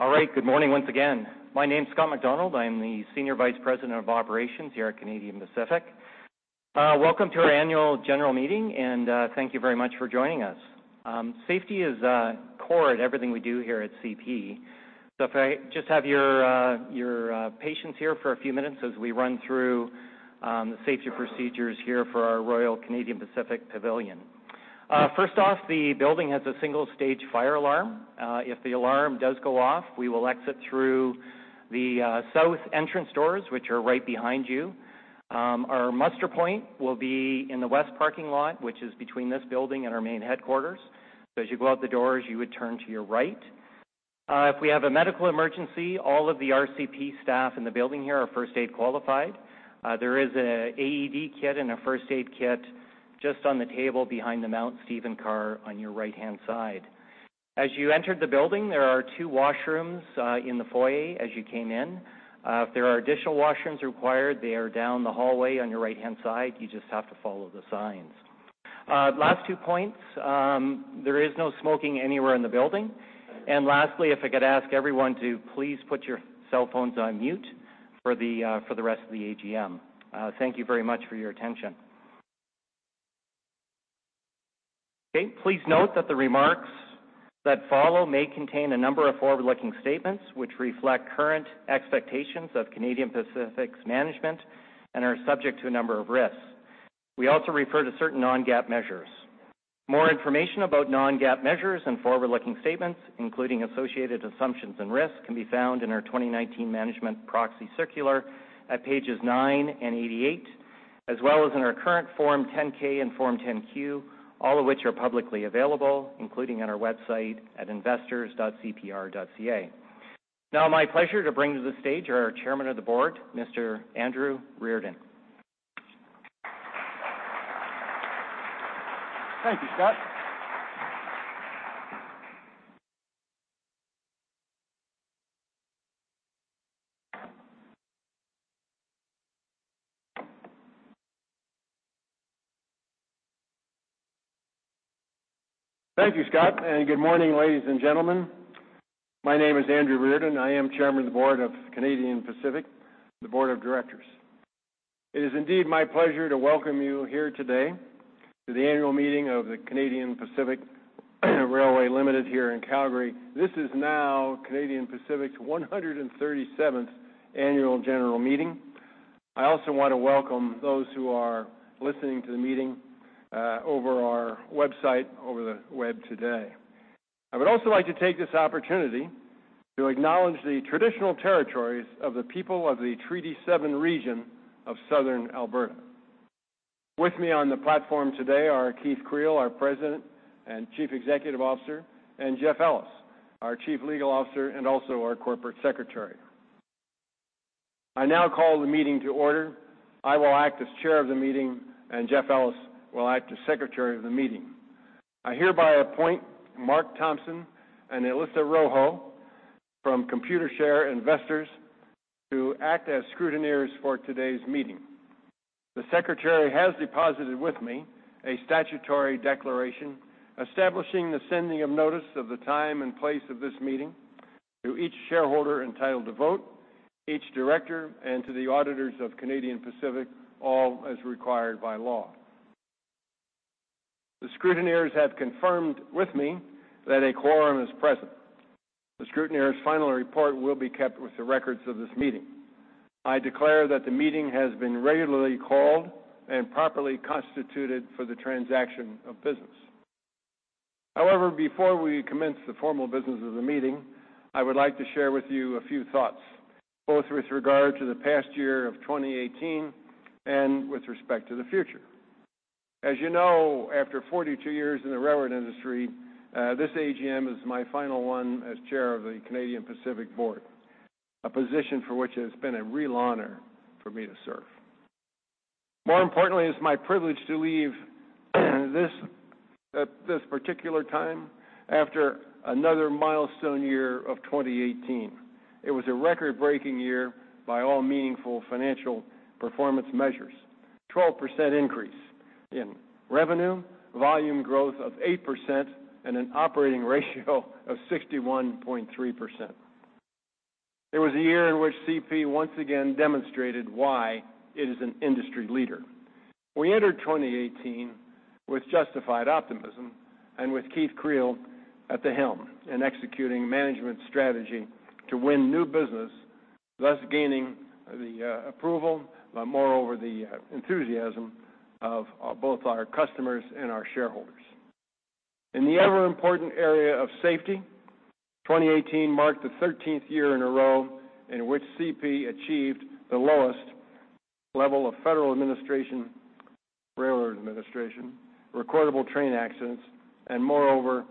All right. Good morning once again. My name's Scott MacDonald. I am the Senior Vice President of Operations here at Canadian Pacific. Welcome to our annual general meeting, and thank you very much for joining us. Safety is core to everything we do here at CP. If I could just have your patience here for a few minutes as we run through the safety procedures here for our Royal Canadian Pacific Pavilion. First off, the building has a single-stage fire alarm. If the alarm does go off, we will exit through the south entrance doors, which are right behind you. Our muster point will be in the west parking lot, which is between this building and our main headquarters. As you go out the doors, you would turn to your right. If we have a medical emergency, all of the RCP staff in the building here are first aid qualified. There is an AED kit and a first aid kit just on the table behind the Mount Stephen car on your right-hand side. As you entered the building, there are two washrooms in the foyer as you came in. If there are additional washrooms required, they are down the hallway on your right-hand side. You just have to follow the signs. Last two points. There is no smoking anywhere in the building. Lastly, if I could ask everyone to please put your cell phones on mute for the rest of the AGM. Thank you very much for your attention. Okay. Please note that the remarks that follow may contain a number of forward-looking statements which reflect current expectations of Canadian Pacific's management and are subject to a number of risks. We also refer to certain non-GAAP measures. More information about non-GAAP measures and forward-looking statements, including associated assumptions and risks, can be found in our 2019 management proxy circular at pages nine and 88, as well as in our current Form 10-K and Form 10-Q, all of which are publicly available, including on our website at investors.cpr.ca. My pleasure to bring to the stage our Chairman of the Board, Mr. Andrew Reardon. Thank you, Scott. Thank you, Scott. Good morning, ladies and gentlemen. My name is Andrew Reardon. I am Chairman of the Board of Canadian Pacific, the board of directors. It is indeed my pleasure to welcome you here today to the annual meeting of the Canadian Pacific Railway Limited here in Calgary. This is Canadian Pacific's 137th annual general meeting. I also want to welcome those who are listening to the meeting over our website over the web today. I would also like to take this opportunity to acknowledge the traditional territories of the people of the Treaty 7 region of Southern Alberta. With me on the platform today are Keith Creel, our President and Chief Executive Officer, and Jeff Ellis, our Chief Legal Officer and also our Corporate Secretary. I call the meeting to order. I will act as chair of the meeting, and Jeff Ellis will act as secretary of the meeting. I hereby appoint Mark Thompson and Alyssa Rojo from Computershare Investors to act as scrutineers for today's meeting. The secretary has deposited with me a statutory declaration establishing the sending of notice of the time and place of this meeting to each shareholder entitled to vote, each director, and to the auditors of Canadian Pacific, all as required by law. The scrutineers have confirmed with me that a quorum is present. The scrutineers' final report will be kept with the records of this meeting. I declare that the meeting has been regularly called and properly constituted for the transaction of business. Before we commence the formal business of the meeting, I would like to share with you a few thoughts, both with regard to the past year of 2018 and with respect to the future. As you know, after 42 years in the railroad industry, this AGM is my final one as chair of the Canadian Pacific board, a position for which it has been a real honor for me to serve. More importantly, it's my privilege to leave at this particular time after another milestone year of 2018. It was a record-breaking year by all meaningful financial performance measures. 12% increase in revenue, volume growth of 8%, and an operating ratio of 61.3%. It was a year in which CP once again demonstrated why it is an industry leader. We entered 2018 with justified optimism and with Keith Creel at the helm in executing management strategy to win new business, thus gaining the approval, moreover the enthusiasm of both our customers and our shareholders. In the ever-important area of safety, 2018 marked the 13th year in a row in which CP achieved the lowest level of Federal Railroad Administration recordable train accidents, and moreover,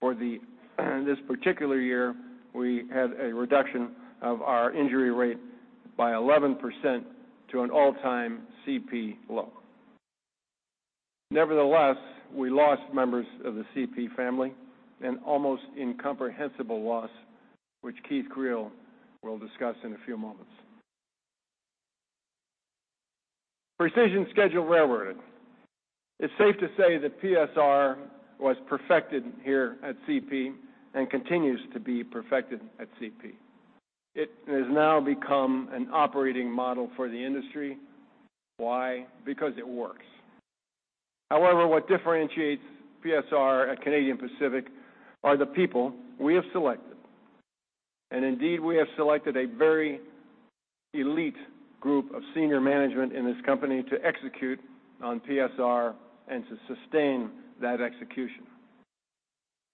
for this particular year, we had a reduction of our injury rate by 11% to an all-time CP low. Nevertheless, we lost members of the CP family, an almost incomprehensible loss which Keith Creel will discuss in a few moments. Precision Scheduled Railroading. It's safe to say that PSR was perfected here at CP and continues to be perfected at CP. It has now become an operating model for the industry. Why? Because it works. What differentiates PSR at Canadian Pacific are the people we have selected, and indeed, we have selected a very elite group of senior management in this company to execute on PSR and to sustain that execution.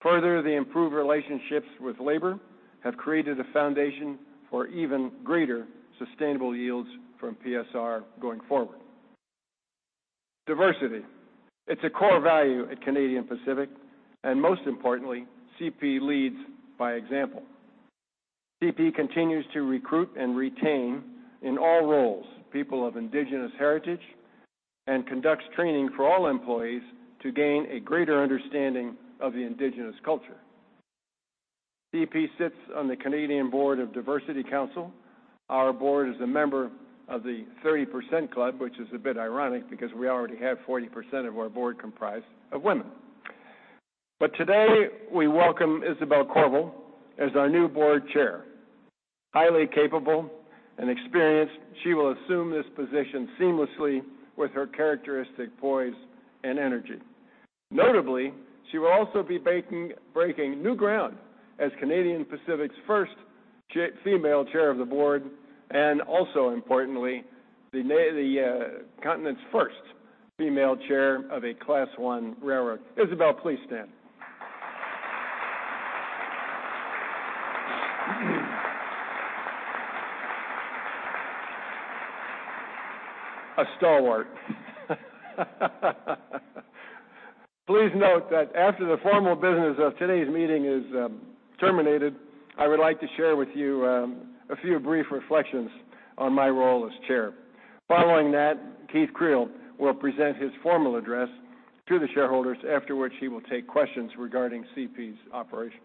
The improved relationships with labor have created a foundation for even greater sustainable yields from PSR going forward. Diversity. It's a core value at Canadian Pacific, and most importantly, CP leads by example. CP continues to recruit and retain, in all roles, people of indigenous heritage and conducts training for all employees to gain a greater understanding of the indigenous culture. CP sits on the Canadian Board Diversity Council. Our board is a member of the 30% Club, which is a bit ironic because we already have 40% of our board comprised of women. Today, we welcome Isabelle Courville as our new board chair. Highly capable and experienced, she will assume this position seamlessly with her characteristic poise and energy. Notably, she will also be breaking new ground as Canadian Pacific's first female chair of the board, and also importantly, the continent's first female chair of a Class I railroad. Isabelle, please stand. A stalwart. Please note that after the formal business of today's meeting is terminated, I would like to share with you a few brief reflections on my role as chair. Following that, Keith Creel will present his formal address to the shareholders, after which he will take questions regarding CP's operations.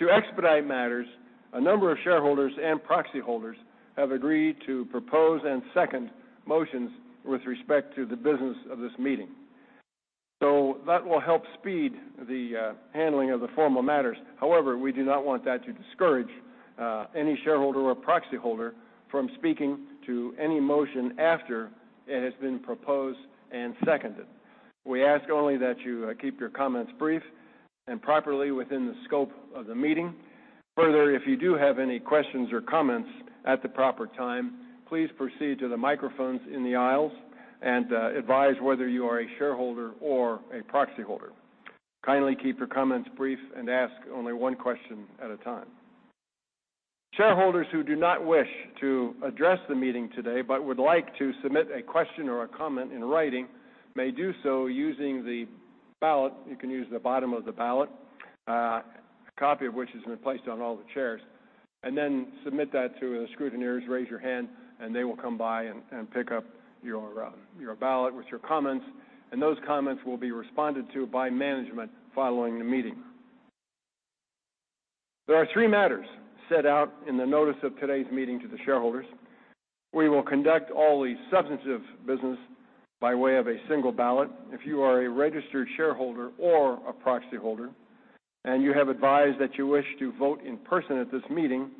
To expedite matters, a number of shareholders and proxy holders have agreed to propose and second motions with respect to the business of this meeting. That will help speed the handling of the formal matters. We do not want that to discourage any shareholder or proxy holder from speaking to any motion after it has been proposed and seconded. We ask only that you keep your comments brief and properly within the scope of the meeting. If you do have any questions or comments at the proper time, please proceed to the microphones in the aisles and advise whether you are a shareholder or a proxy holder. Kindly keep your comments brief and ask only one question at a time. Shareholders who do not wish to address the meeting today but would like to submit a question or a comment in writing may do so using the ballot. You can use the bottom of the ballot, a copy of which has been placed on all the chairs, and then submit that to the scrutineers. Raise your hand, and they will come by and pick up your ballot with your comments, and those comments will be responded to by management following the meeting. There are three matters set out in the notice of today's meeting to the shareholders. We will conduct all the substantive business by way of a single ballot. If you are a registered shareholder or a proxy holder and you have advised that you wish to vote in person at this meeting,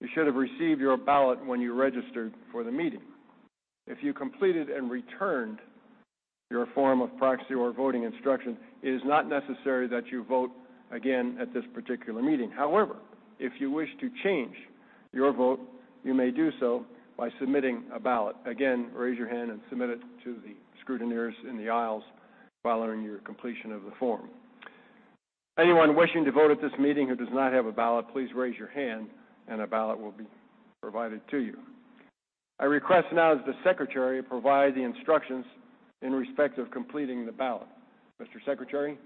you should have received your ballot when you registered for the meeting. If you completed and returned your form of proxy or voting instruction, it is not necessary that you vote again at this particular meeting. If you wish to change your vote, you may do so by submitting a ballot. Raise your hand and submit it to the scrutineers in the aisles following your completion of the form. Anyone wishing to vote at this meeting who does not have a ballot, please raise your hand and a ballot will be provided to you. I request now as the secretary provide the instructions in respect of completing the ballot. Mr. Secretary?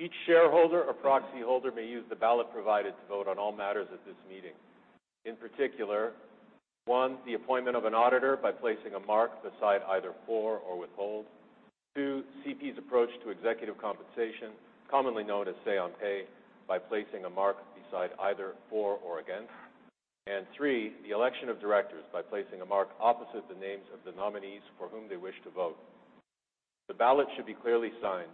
Each shareholder or proxy holder may use the ballot provided to vote on all matters at this meeting. In particular, 1, the appointment of an auditor by placing a mark beside either for or withhold. 2, CP's approach to executive compensation, commonly known as say on pay, by placing a mark beside either for or against. 3, the election of directors by placing a mark opposite the names of the nominees for whom they wish to vote. The ballot should be clearly signed.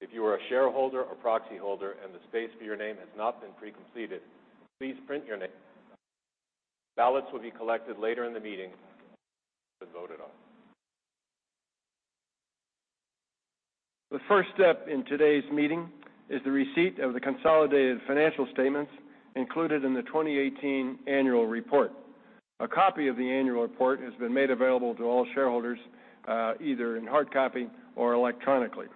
If you are a shareholder or proxy holder and the space for your name has not been pre-completed, please print your name. Ballots will be collected later in the meeting to be voted on. The first step in today's meeting is the receipt of the consolidated financial statements included in the 2018 annual report. A copy of the annual report has been made available to all shareholders either in hard copy or electronically.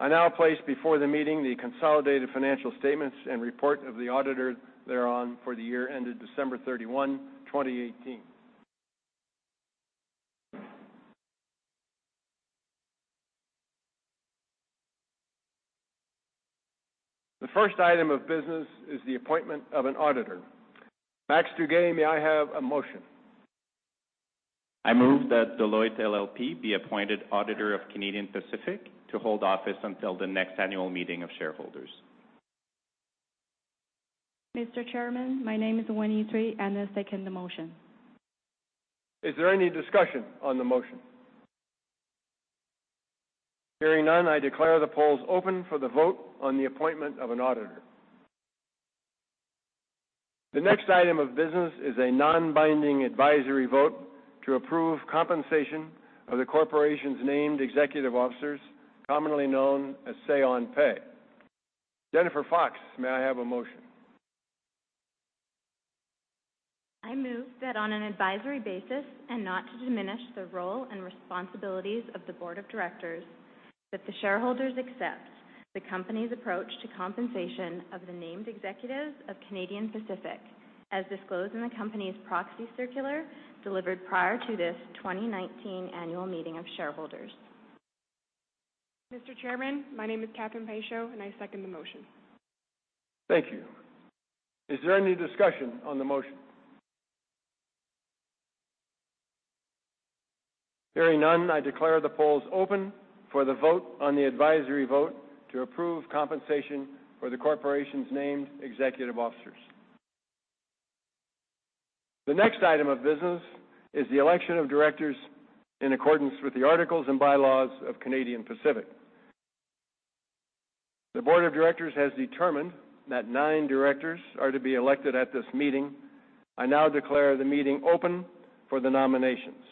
I now place before the meeting the consolidated financial statements and report of the auditor thereon for the year ended December 31, 2018. The first item of business is the appointment of an auditor. Max Dugay, may I have a motion? I move that Deloitte LLP be appointed auditor of Canadian Pacific to hold office until the next annual meeting of shareholders. Mr. Chairman, my name is Winnie Tsui. I second the motion. Is there any discussion on the motion? Hearing none, I declare the polls open for the vote on the appointment of an auditor. The next item of business is a non-binding advisory vote to approve compensation of the corporation's named executive officers, commonly known as say on pay. Jennifer Fox, may I have a motion? I move that on an advisory basis and not to diminish the role and responsibilities of the board of directors, that the shareholders accept the company's approach to compensation of the named executives of Canadian Pacific, as disclosed in the company's proxy circular delivered prior to this 2019 annual meeting of shareholders. Mr. Chairman, my name is Kathryn Pacheco, and I second the motion. Thank you. Is there any discussion on the motion? Hearing none, I declare the polls open for the vote on the advisory vote to approve compensation for the corporation's named executive officers. The next item of business is the election of directors in accordance with the articles and bylaws of Canadian Pacific. The board of directors has determined that nine directors are to be elected at this meeting. I now declare the meeting open for the nominations.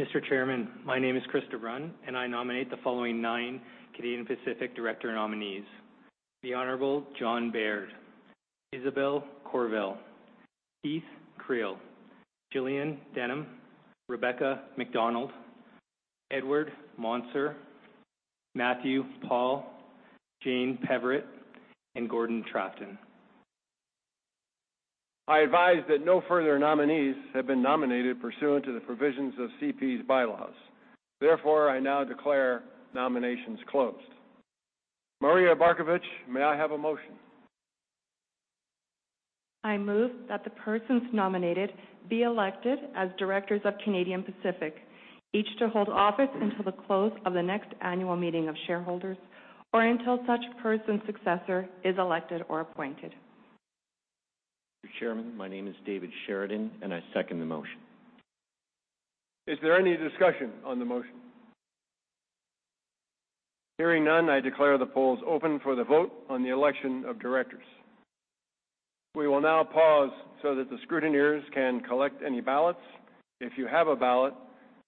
Mr. Chairman, my name is Chris de Bruyn. I nominate the following nine Canadian Pacific director nominees: the Honorable John Baird, Isabelle Courville, Keith Creel, Gillian Denham, Rebecca MacDonald, Edward Monser, Matthew Paull, Jane Peverett, and Gordon Trafton. I advise that no further nominees have been nominated pursuant to the provisions of CP's bylaws. Therefore, I now declare nominations closed. Maria Barkovich, may I have a motion? I move that the persons nominated be elected as directors of Canadian Pacific, each to hold office until the close of the next annual meeting of shareholders or until such person's successor is elected or appointed. Mr. Chairman, my name is David Sheridan. I second the motion. Is there any discussion on the motion? Hearing none, I declare the polls open for the vote on the election of directors. We will now pause so that the scrutineers can collect any ballots. If you have a ballot,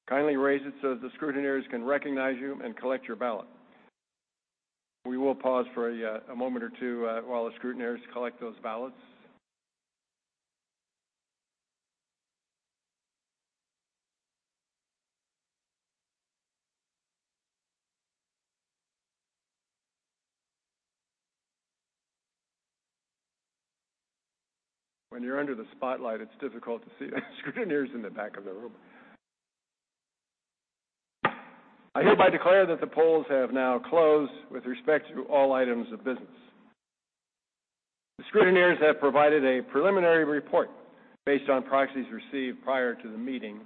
kindly raise it so that the scrutineers can recognize you and collect your ballot. We will pause for a moment or two while the scrutineers collect those ballots. When you're under the spotlight, it's difficult to see the scrutineers in the back of the room. I hereby declare that the polls have now closed with respect to all items of business. The scrutineers have provided a preliminary report based on proxies received prior to the meeting.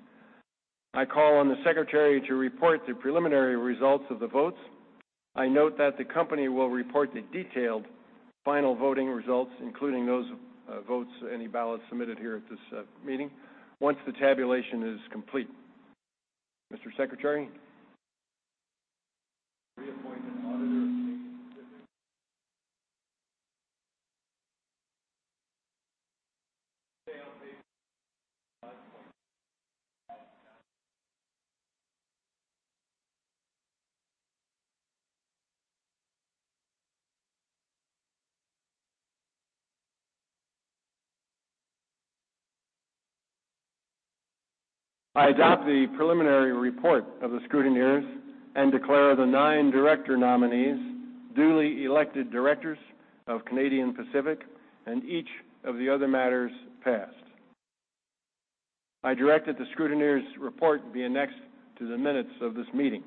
I call on the secretary to report the preliminary results of the votes. I note that the company will report the detailed final voting results, including those votes, any ballots submitted here at this meeting, once the tabulation is complete. Mr. Secretary? Reappoint an auditor of Canadian Pacific. Say on pay. I adopt the preliminary report of the scrutineers and declare the nine director nominees duly elected directors of Canadian Pacific and each of the other matters passed. I direct that the scrutineers' report be annexed to the minutes of this meeting.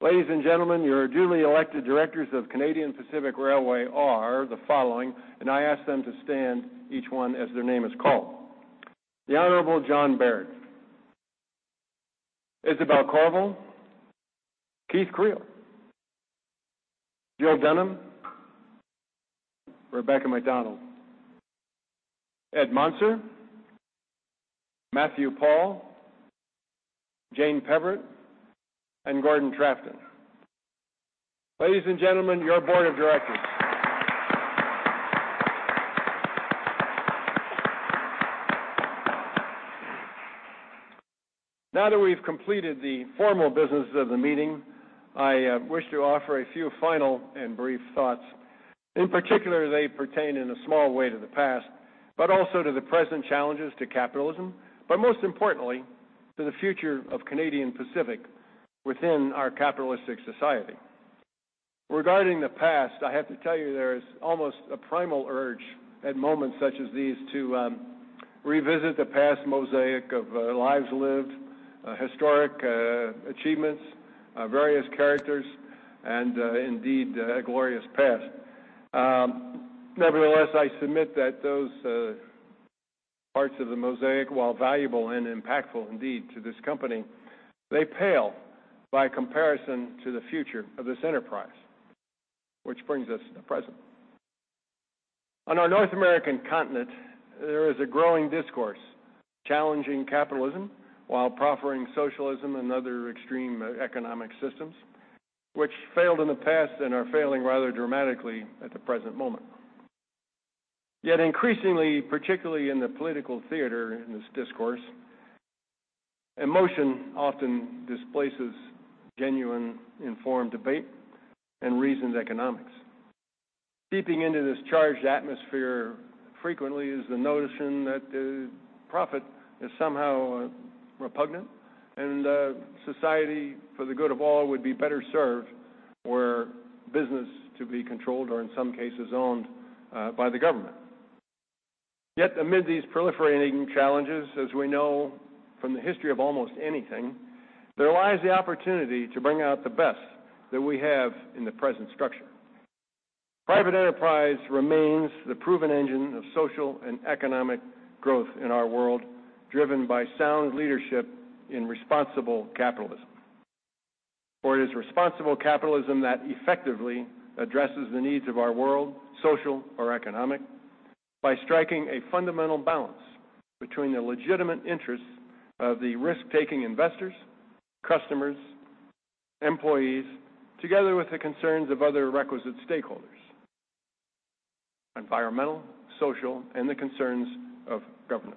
Ladies and gentlemen, your duly elected directors of Canadian Pacific Railway are the following, and I ask them to stand, each one as their name is called. The Honorable John Baird, Isabelle Courville, Keith Creel, Jill Denham, Rebecca MacDonald, Ed Monser, Matthew Paull, Jane Peverett, and Gordon Trafton. Ladies and gentlemen, your board of directors. Now that we've completed the formal business of the meeting, I wish to offer a few final and brief thoughts. In particular, they pertain in a small way to the past, but also to the present challenges to capitalism, but most importantly, to the future of Canadian Pacific within our capitalistic society. Regarding the past, I have to tell you there's almost a primal urge at moments such as these to revisit the past mosaic of lives lived, historic achievements, various characters, and indeed, a glorious past. Nevertheless, I submit that those parts of the mosaic, while valuable and impactful indeed to this company, they pale by comparison to the future of this enterprise. Which brings us to the present. On our North American continent, there is a growing discourse challenging capitalism while proffering socialism and other extreme economic systems, which failed in the past and are failing rather dramatically at the present moment. Increasingly, particularly in the political theater, in this discourse, emotion often displaces genuine informed debate and reasoned economics. Seeping into this charged atmosphere frequently is the notion that profit is somehow repugnant and society, for the good of all, would be better served were business to be controlled or, in some cases, owned by the government. Amid these proliferating challenges, as we know from the history of almost anything, there lies the opportunity to bring out the best that we have in the present structure. Private enterprise remains the proven engine of social and economic growth in our world, driven by sound leadership in responsible capitalism. It is responsible capitalism that effectively addresses the needs of our world, social or economic, by striking a fundamental balance between the legitimate interests of the risk-taking investors, customers, employees, together with the concerns of other requisite stakeholders, environmental, social, and the concerns of governance.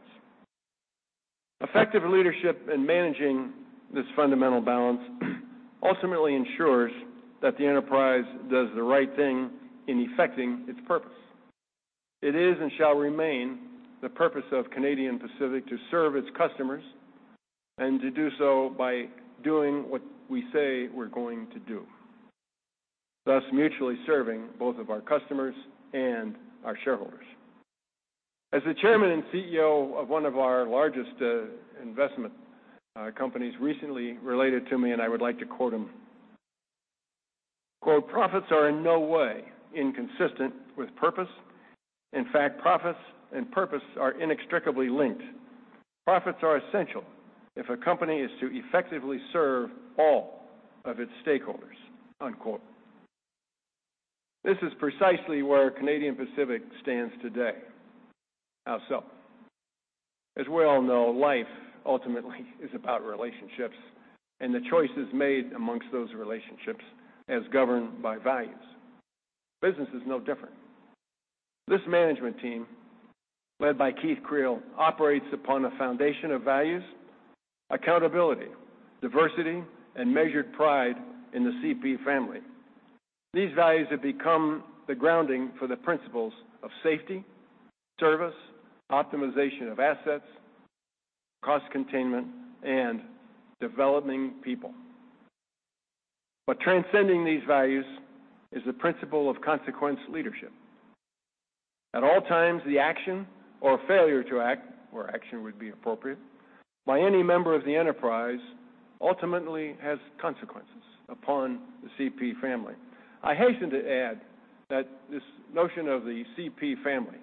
Effective leadership in managing this fundamental balance ultimately ensures that the enterprise does the right thing in effecting its purpose. It is and shall remain the purpose of Canadian Pacific to serve its customers and to do so by doing what we say we're going to do, thus mutually serving both of our customers and our shareholders. As the chairman and CEO of one of our largest investment companies recently related to me, I would like to quote him. "Profits are in no way inconsistent with purpose. In fact, profits and purpose are inextricably linked. Profits are essential if a company is to effectively serve all of its stakeholders." This is precisely where Canadian Pacific stands today. How so? As we all know, life ultimately is about relationships and the choices made amongst those relationships as governed by values. Business is no different. This management team, led by Keith Creel, operates upon a foundation of values, accountability, diversity, and measured pride in the CP family. These values have become the grounding for the principles of safety, service, optimization of assets, cost containment, and developing people. Transcending these values is the principle of consequence leadership. At all times, the action or failure to act, where action would be appropriate, by any member of the enterprise ultimately has consequences upon the CP family. I hasten to add that this notion of the CP family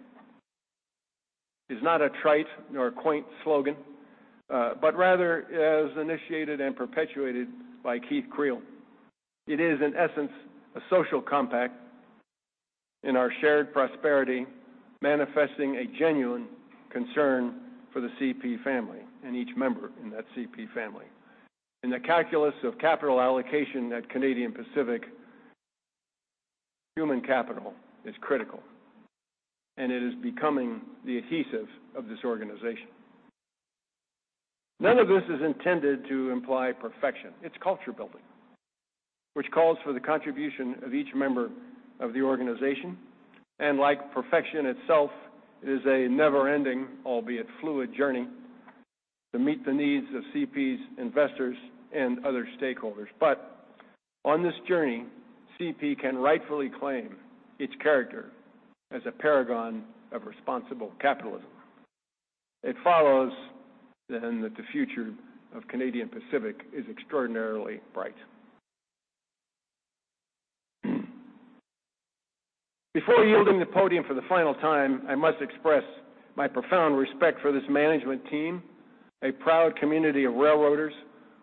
is not a trite nor a quaint slogan, rather as initiated and perpetuated by Keith Creel. It is, in essence, a social compact in our shared prosperity, manifesting a genuine concern for the CP family and each member in that CP family. In the calculus of capital allocation at Canadian Pacific, human capital is critical, and it is becoming the adhesive of this organization. None of this is intended to imply perfection. It's culture building, which calls for the contribution of each member of the organization. Like perfection itself, it is a never-ending, albeit fluid, journey to meet the needs of CP's investors and other stakeholders. On this journey, CP can rightfully claim its character as a paragon of responsible capitalism. It follows that the future of Canadian Pacific is extraordinarily bright. Before yielding the podium for the final time, I must express my profound respect for this management team, a proud community of railroaders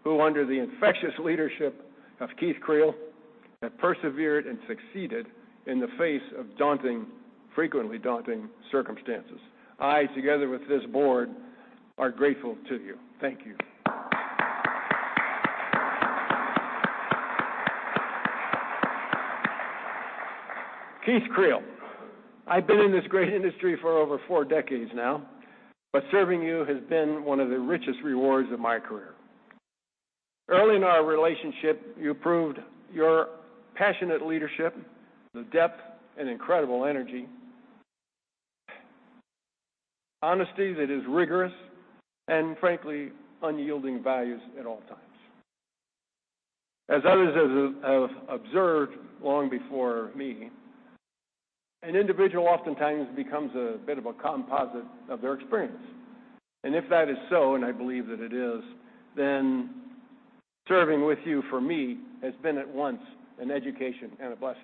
who, under the infectious leadership of Keith Creel, have persevered and succeeded in the face of daunting, frequently daunting circumstances. I, together with this board, are grateful to you. Thank you. Keith Creel, I've been in this great industry for over four decades now, serving you has been one of the richest rewards of my career. Early in our relationship, you proved your passionate leadership, the depth and incredible energy, honesty that is rigorous, and frankly, unyielding values at all times. As others have observed long before me, an individual oftentimes becomes a bit of a composite of their experience. If that is so, I believe that it is, serving with you for me has been at once an education and a blessing.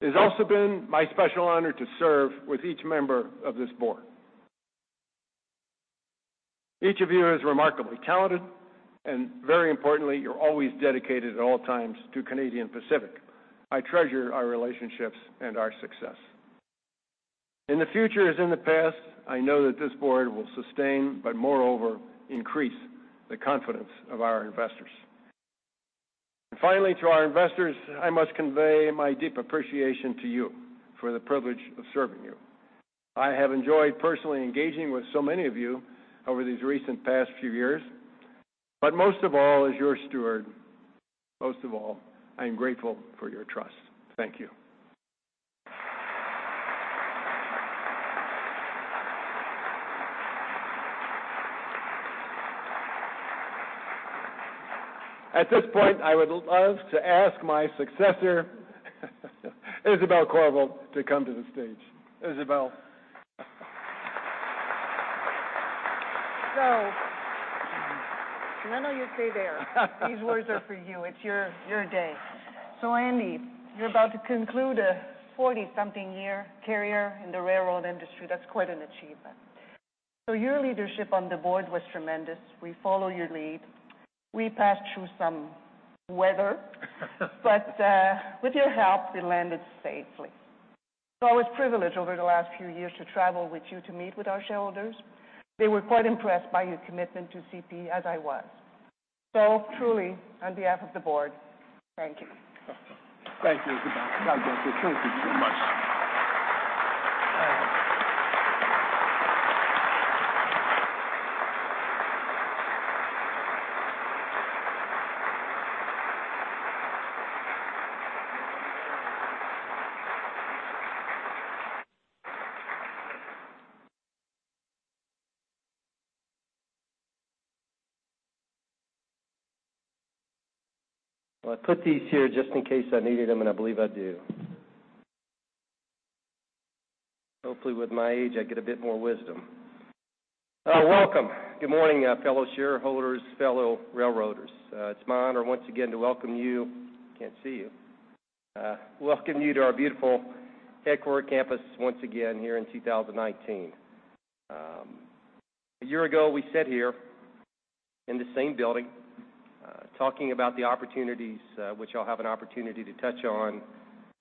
It has also been my special honor to serve with each member of this board. Each of you is remarkably talented, and very importantly, you're always dedicated at all times to Canadian Pacific. I treasure our relationships and our success. In the future, as in the past, I know that this board will sustain, but moreover, increase the confidence of our investors. Finally, to our investors, I must convey my deep appreciation to you for the privilege of serving you. I have enjoyed personally engaging with so many of you over these recent past few years. Most of all, as your steward, most of all, I am grateful for your trust. Thank you. At this point, I would love to ask my successor Isabelle Courville, to come to the stage. Isabelle. No, no, you stay there. These words are for you. It's your day. Andy, you're about to conclude a 40-something year career in the railroad industry. That's quite an achievement. Your leadership on the board was tremendous. We follow your lead. We passed through some weather- but with your help, we landed safely. I was privileged over the last few years to travel with you to meet with our shareholders. They were quite impressed by your commitment to CP, as I was. Truly, on behalf of the board, thank you. Thank you, Isabelle. God bless you. Thank you so much. I put these here just in case I needed them, and I believe I do. Hopefully with my age, I get a bit more wisdom. Welcome. Good morning, fellow shareholders, fellow railroaders. It's my honor once again to welcome you, can't see you, welcome you to our beautiful headquarter campus once again here in 2019. A year ago, we sat here in the same building, talking about the opportunities, which I'll have an opportunity to touch on,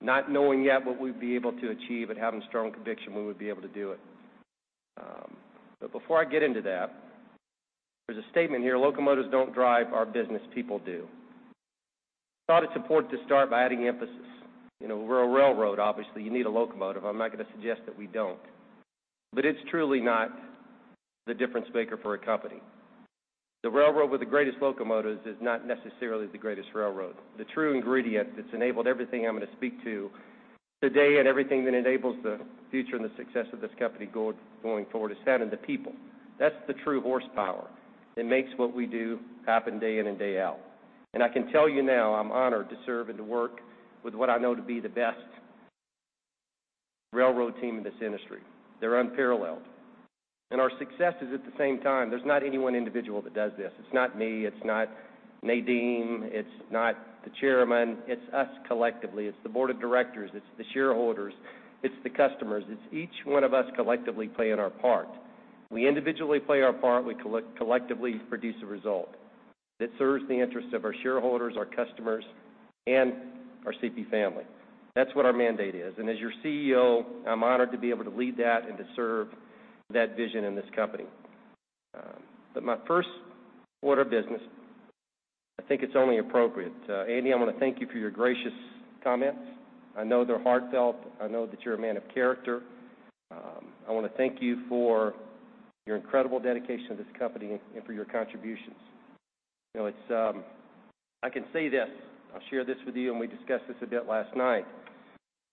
not knowing yet what we'd be able to achieve but having strong conviction we would be able to do it. Before I get into that, there's a statement here, "Locomotives don't drive our business, people do." I thought it's important to start by adding emphasis. We're a railroad, obviously. You need a locomotive. I'm not going to suggest that we don't. It's truly not the difference maker for a company. The railroad with the greatest locomotives is not necessarily the greatest railroad. The true ingredient that's enabled everything I'm going to speak to today and everything that enables the future and the success of this company going forward is that and the people. That's the true horsepower that makes what we do happen day in and day out. I can tell you now, I'm honored to serve and to work with what I know to be the best railroad team in this industry. They're unparalleled. Our success is at the same time, there's not any one individual that does this. It's not me, it's not Nadeem, it's not the chairman. It's us collectively. It's the board of directors, it's the shareholders, it's the customers. It's each one of us collectively playing our part. We individually play our part. We collectively produce a result that serves the interest of our shareholders, our customers, and our CP family. That's what our mandate is. As your CEO, I'm honored to be able to lead that and to serve that vision in this company. My first order of business, I think it's only appropriate, Andy, I want to thank you for your gracious comments. I know they're heartfelt. I know that you're a man of character. I want to thank you for your incredible dedication to this company and for your contributions. I can say this, I'll share this with you, and we discussed this a bit last night.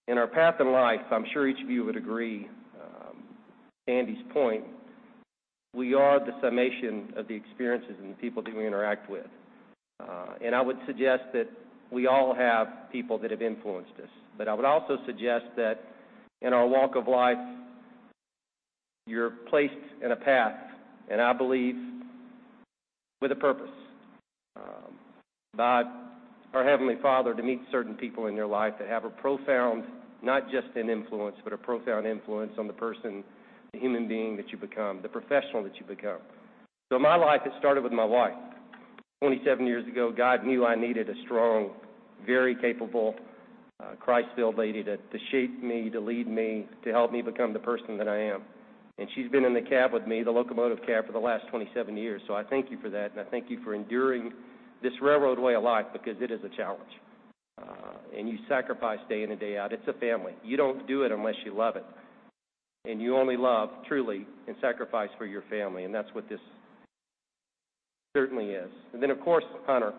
In our path in life, I'm sure each of you would agree, Andy's point, we are the summation of the experiences and the people that we interact with. I would suggest that we all have people that have influenced us. I would also suggest that in our walk of life, you're placed in a path, and I believe with a purpose by our Heavenly Father to meet certain people in your life that have a profound, not just an influence, but a profound influence on the person, the human being that you become, the professional that you become. My life, it started with my wife 27 years ago. God knew I needed a strong, very capable, Christ-filled lady to shape me, to lead me, to help me become the person that I am. She's been in the cab with me, the locomotive cab, for the last 27 years. I thank you for that, and I thank you for enduring this railroad way of life because it is a challenge. You sacrifice day in and day out. It's a family. You don't do it unless you love it, you only love, truly, and sacrifice for your family, and that's what this certainly is. Of course, Hunter.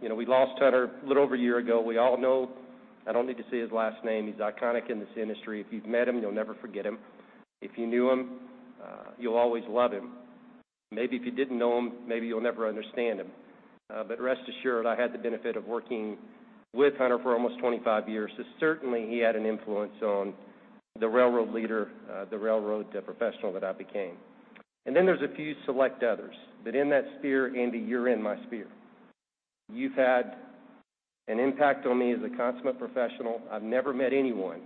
We lost Hunter a little over a year ago. We all know, I don't need to say his last name. He's iconic in this industry. If you've met him, you'll never forget him. If you knew him, you'll always love him. Maybe if you didn't know him, maybe you'll never understand him. Rest assured, I had the benefit of working with Hunter for almost 25 years. Certainly, he had an influence on the railroad leader, the railroad professional that I became. There's a few select others that in that sphere, Andy, you're in my sphere. You've had an impact on me as a consummate professional. I've never met anyone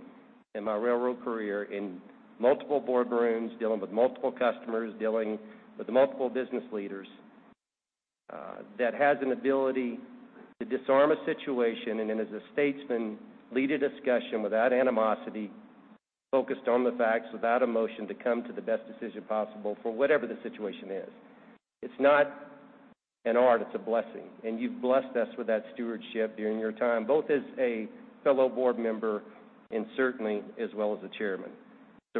in my railroad career, in multiple boardrooms, dealing with multiple customers, dealing with multiple business leaders, that has an ability to disarm a situation then as a statesman, lead a discussion without animosity, focused on the facts without emotion, to come to the best decision possible for whatever the situation is. It's not an art, it's a blessing, you've blessed us with that stewardship during your time, both as a fellow board member and certainly as well as a chairman.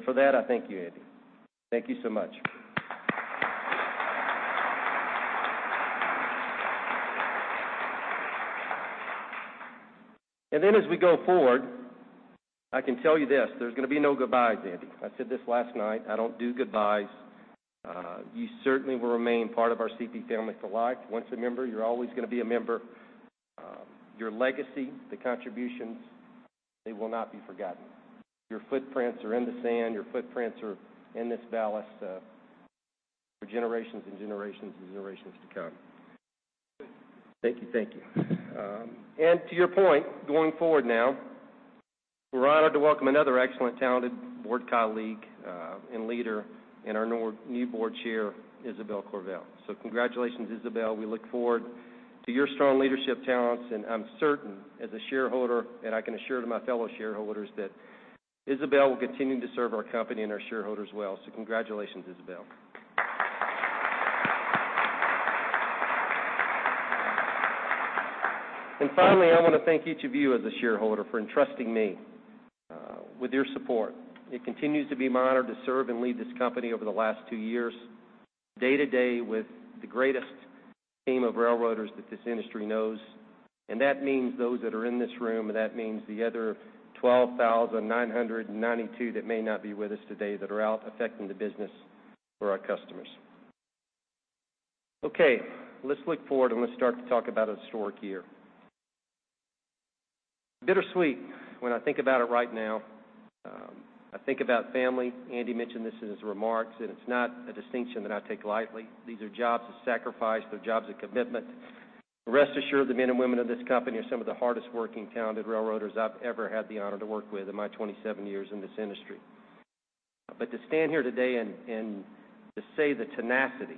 For that, I thank you, Andy. Thank you so much. As we go forward, I can tell you this, there's going to be no goodbyes, Andy. I said this last night, I don't do goodbyes. You certainly will remain part of our CP family for life. Once a member, you're always going to be a member. Your legacy, the contributions, they will not be forgotten. Your footprints are in the sand. Your footprints are in this ballast for generations and generations and generations to come. Thank you, thank you. To your point, going forward now, we're honored to welcome another excellent, talented board colleague, and leader in our new board chair, Isabelle Courville. Congratulations, Isabelle. We look forward to your strong leadership talents, I'm certain as a shareholder, I can assure to my fellow shareholders that Isabelle will continue to serve our company and our shareholders well. Congratulations, Isabelle. Finally, I want to thank each of you as a shareholder for entrusting me with your support. It continues to be my honor to serve and lead this company over the last two years, day to day with the greatest team of railroaders that this industry knows, that means those that are in this room, that means the other 12,992 that may not be with us today that are out affecting the business for our customers. Let's look forward, let's start to talk about a historic year. Bittersweet when I think about it right now. I think about family. Andy mentioned this in his remarks, it's not a distinction that I take lightly. These are jobs of sacrifice. They're jobs of commitment. Rest assured, the men and women of this company are some of the hardest working, talented railroaders I've ever had the honor to work with in my 27 years in this industry. To stand here today and to say the tenacity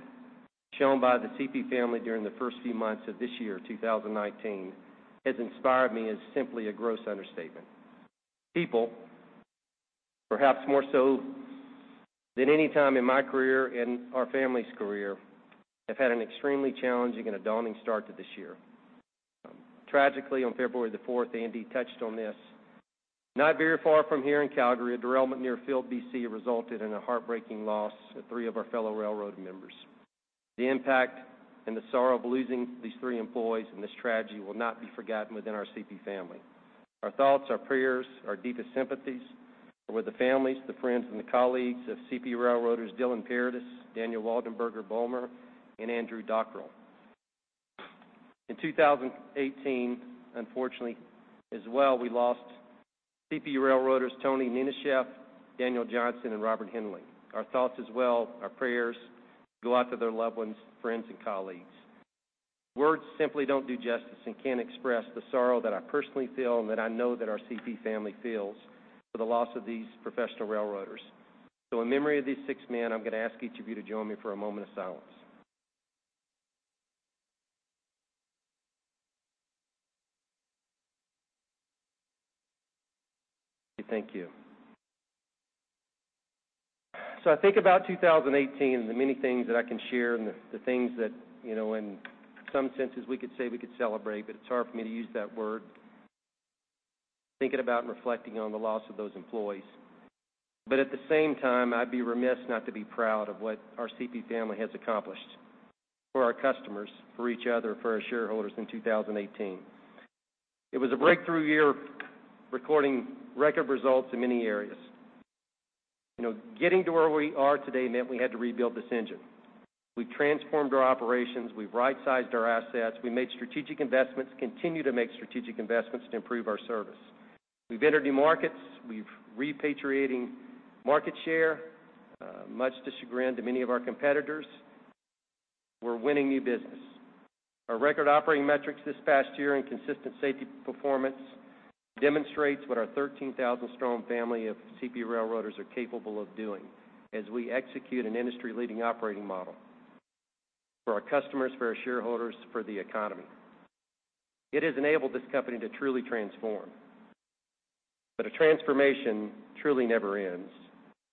shown by the CP family during the first few months of this year, 2019, has inspired me is simply a gross understatement. People, perhaps more so than any time in my career and our family's career, have had an extremely challenging and a daunting start to this year. Tragically, on February 4, Andy touched on this, not very far from here in Calgary, a derailment near Field, B.C., resulted in a heartbreaking loss of three of our fellow railroad members. The impact and the sorrow of losing these three employees in this tragedy will not be forgotten within our CP family. Our thoughts, our prayers, our deepest sympathies are with the families, the friends, and the colleagues of CP railroaders Dylan Paradis, Daniel Waldenberger-Bulmer, and Andrew Dockrell. In 2018, unfortunately as well, we lost CP railroaders Tony Nenasheff, Daniel Johnson, and Robert Hemling. Our thoughts as well, our prayers go out to their loved ones, friends, and colleagues. Words simply don't do justice and can't express the sorrow that I personally feel and that I know that our CP family feels for the loss of these professional railroaders. In memory of these six men, I'm going to ask each of you to join me for a moment of silence. Thank you. I think about 2018 and the many things that I can share and the things that in some senses we could say we could celebrate, but it's hard for me to use that word, thinking about and reflecting on the loss of those employees. At the same time, I'd be remiss not to be proud of what our CP family has accomplished for our customers, for each other, for our shareholders in 2018. It was a breakthrough year, recording record results in many areas. Getting to where we are today meant we had to rebuild this engine. We transformed our operations. We right-sized our assets. We made strategic investments, continue to make strategic investments to improve our service. We've entered new markets. We've repatriating market share, much to the chagrin to many of our competitors. We're winning new business. Our record operating metrics this past year and consistent safety performance demonstrates what our 13,000-strong family of CP railroaders are capable of doing as we execute an industry-leading operating model for our customers, for our shareholders, for the economy. It has enabled this company to truly transform, but a transformation truly never ends.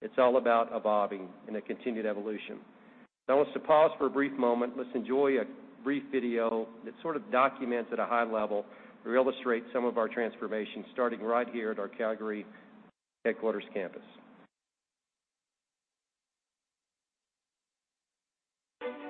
It's all about evolving and a continued evolution. I want us to pause for a brief moment. Let's enjoy a brief video that sort of documents at a high level or illustrates some of our transformation, starting right here at our Calgary headquarters campus.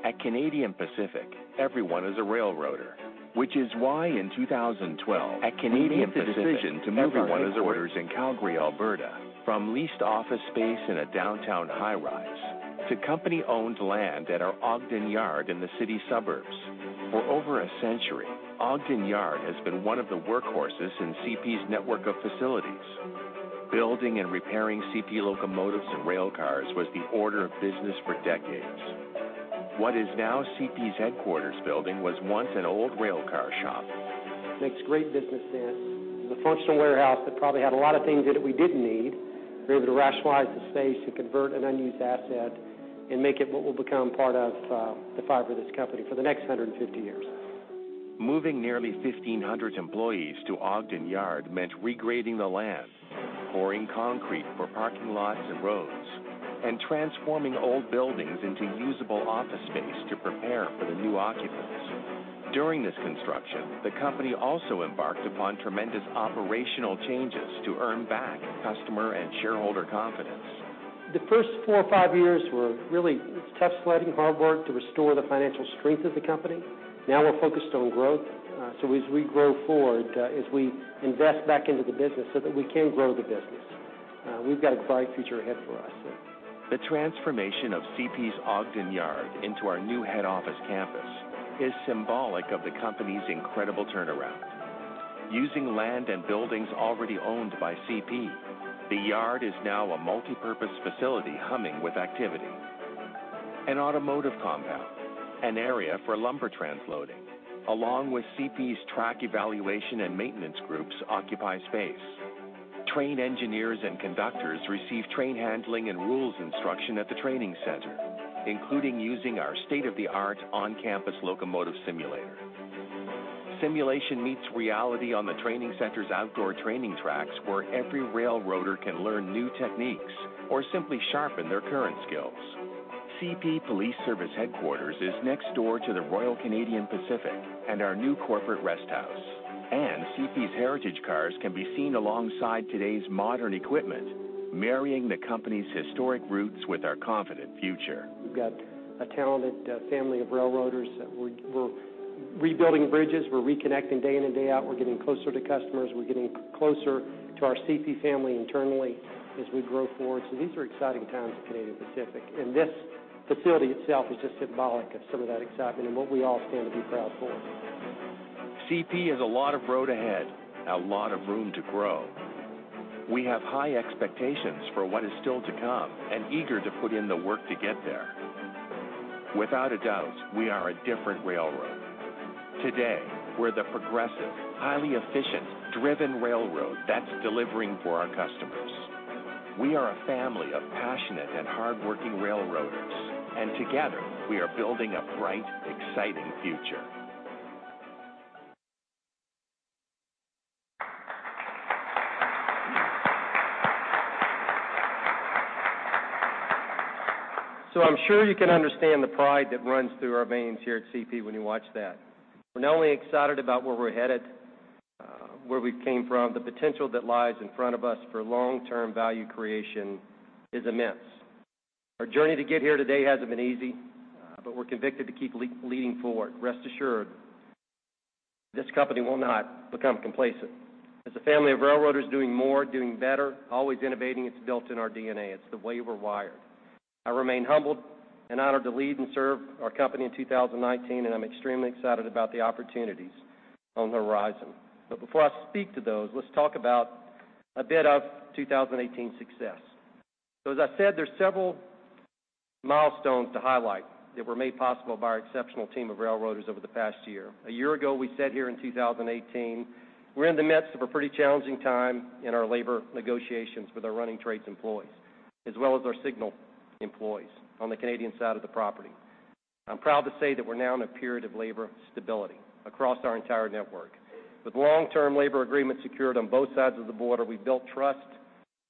At Canadian Pacific, everyone is a railroader, which is why in 2012, we made the decision to move our headquarters in Calgary, Alberta, from leased office space in a downtown high rise-It's a company-owned land at our Ogden Yard in the city suburbs. For over a century, Ogden Yard has been one of the workhorses in CP's network of facilities. Building and repairing CP locomotives and railcars was the order of business for decades. What is now CP's headquarters building was once an old railcar shop. Makes great business sense. It was a functional warehouse that probably had a lot of things in it we didn't need. We were able to rationalize the space to convert an unused asset and make it what will become part of the fiber of this company for the next 150 years. Moving nearly 1,500 employees to Ogden Yard meant regrading the land, pouring concrete for parking lots and roads, and transforming old buildings into usable office space to prepare for the new occupants. During this construction, the company also embarked upon tremendous operational changes to earn back customer and shareholder confidence. The first four or five years were really tough sledding, hard work to restore the financial strength of the company. Now we're focused on growth. As we grow forward, as we invest back into the business so that we can grow the business, we've got a bright future ahead for us. The transformation of CP's Ogden Yard into our new head office campus is symbolic of the company's incredible turnaround. Using land and buildings already owned by CP, the yard is now a multipurpose facility humming with activity. An automotive compound, an area for lumber transloading, along with CP's track evaluation and maintenance groups occupy space. Train engineers and conductors receive train handling and rules instruction at the training center, including using our state-of-the-art on-campus locomotive simulator. Simulation meets reality on the training center's outdoor training tracks, where every railroader can learn new techniques or simply sharpen their current skills. CP Police Service headquarters is next door to the Royal Canadian Pacific and our new corporate rest house. CP's heritage cars can be seen alongside today's modern equipment, marrying the company's historic roots with our confident future. We've got a talented family of railroaders. We're rebuilding bridges. We're reconnecting day in and day out. We're getting closer to customers. We're getting closer to our CP family internally as we grow forward. These are exciting times at Canadian Pacific, and this facility itself is just symbolic of some of that excitement and what we all stand to be proud for. CP has a lot of road ahead, a lot of room to grow. We have high expectations for what is still to come and eager to put in the work to get there. Without a doubt, we are a different railroad. Today, we're the progressive, highly efficient, driven railroad that's delivering for our customers. We are a family of passionate and hardworking railroaders, and together we are building a bright, exciting future. I'm sure you can understand the pride that runs through our veins here at CP when you watch that. We're not only excited about where we're headed, where we came from, the potential that lies in front of us for long-term value creation is immense. Our journey to get here today hasn't been easy, but we're convicted to keep leading forward. Rest assured, this company will not become complacent. As a family of railroaders doing more, doing better, always innovating, it's built in our DNA. It's the way we're wired. I remain humbled and honored to lead and serve our company in 2019, and I'm extremely excited about the opportunities on the horizon. Before I speak to those, let's talk about a bit of 2018 success. As I said, there are several milestones to highlight that were made possible by our exceptional team of railroaders over the past year. A year ago, we said here in 2018, we are in the midst of a pretty challenging time in our labor negotiations with our running trades employees, as well as our signal employees on the Canadian side of the property. I am proud to say that we are now in a period of labor stability across our entire network. With long-term labor agreements secured on both sides of the border, we built trust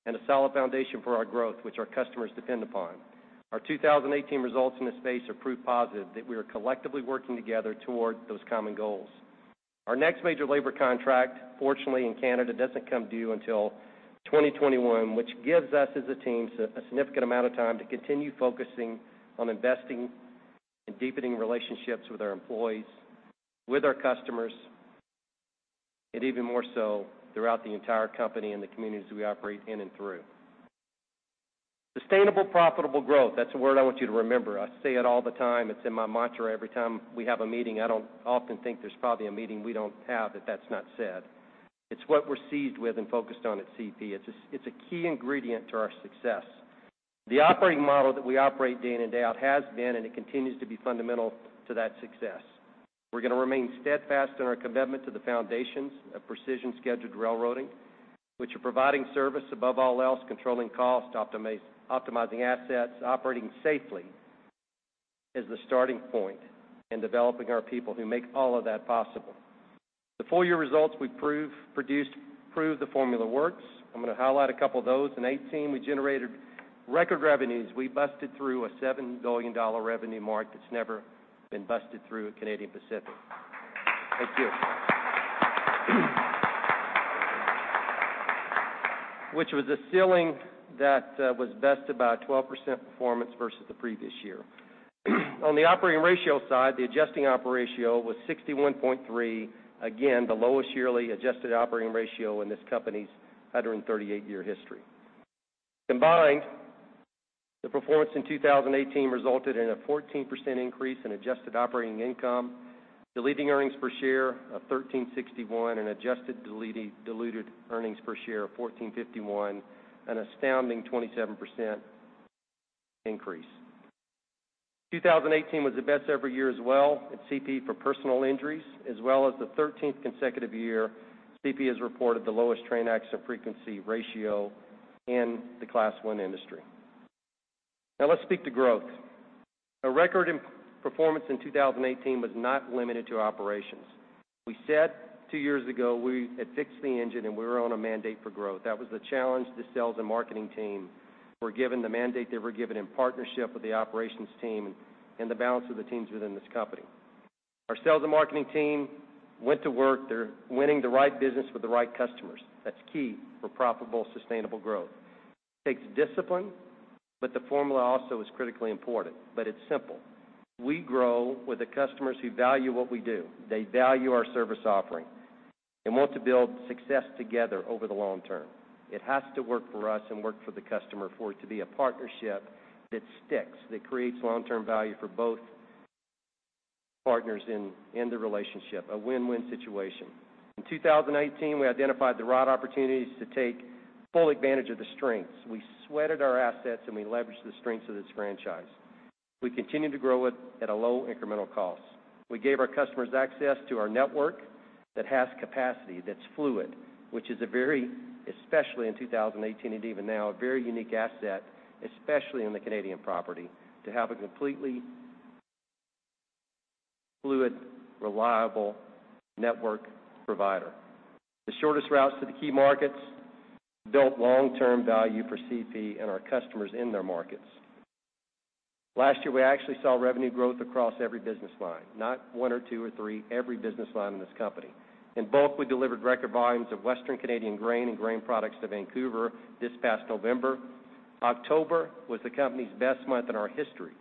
and a solid foundation for our growth, which our customers depend upon. Our 2018 results in this space are proof positive that we are collectively working together towards those common goals. Our next major labor contract, fortunately in Canada, does not come due until 2021, which gives us as a team a significant amount of time to continue focusing on investing and deepening relationships with our employees, with our customers, and even more so throughout the entire company and the communities we operate in and through. Sustainable profitable growth, that is a word I want you to remember. I say it all the time. It is in my mantra every time we have a meeting. I do not often think there is probably a meeting we do not have that that is not said. It is what we are seized with and focused on at CP. It is a key ingredient to our success. The operating model that we operate day in and day out has been and it continues to be fundamental to that success. We are going to remain steadfast in our commitment to the foundations of Precision Scheduled Railroading, which are providing service above all else, controlling cost, optimizing assets, operating safely as the starting point, and developing our people who make all of that possible. The full year results we produced prove the formula works. I am going to highlight a couple of those. In 2018, we generated record revenues. We busted through a 7 billion dollar revenue mark that has never been busted through at Canadian Pacific. Thank you. Which was a ceiling that was bested by a 12% performance versus the previous year. On the operating ratio side, the adjusted operating ratio was 61.3. Again, the lowest yearly adjusted operating ratio in this company's 138-year history. Combined, the performance in 2018 resulted in a 14% increase in adjusted operating income, diluting earnings per share of 13.61 and adjusted diluted earnings per share of 14.51, an astounding 27% increase. 2018 was the best ever year as well at CP for personal injuries, as well as the 13th consecutive year CP has reported the lowest train accident frequency ratio in the Class I industry. Let us speak to growth. A record in performance in 2018 was not limited to operations. We said two years ago we had fixed the engine, and we were on a mandate for growth. That was the challenge the sales and marketing team were given, the mandate they were given in partnership with the operations team and the balance of the teams within this company. Our sales and marketing team went to work. They are winning the right business with the right customers. That's key for profitable, sustainable growth. It takes discipline, the formula also is critically important, but it's simple. We grow with the customers who value what we do. They value our service offering and want to build success together over the long term. It has to work for us and work for the customer for it to be a partnership that sticks, that creates long-term value for both partners in the relationship, a win-win situation. In 2018, we identified the right opportunities to take full advantage of the strengths. We sweated our assets, we leveraged the strengths of this franchise. We continued to grow it at a low incremental cost. We gave our customers access to our network that has capacity, that's fluid, which is a very, especially in 2018 and even now, a very unique asset, especially in the Canadian property, to have a completely fluid, reliable network provider. The shortest routes to the key markets built long-term value for CP and our customers in their markets. Last year, we actually saw revenue growth across every business line, not one or two or three, every business line in this company. In bulk, we delivered record volumes of Western Canadian grain and grain products to Vancouver this past November. October was the company's best month in our history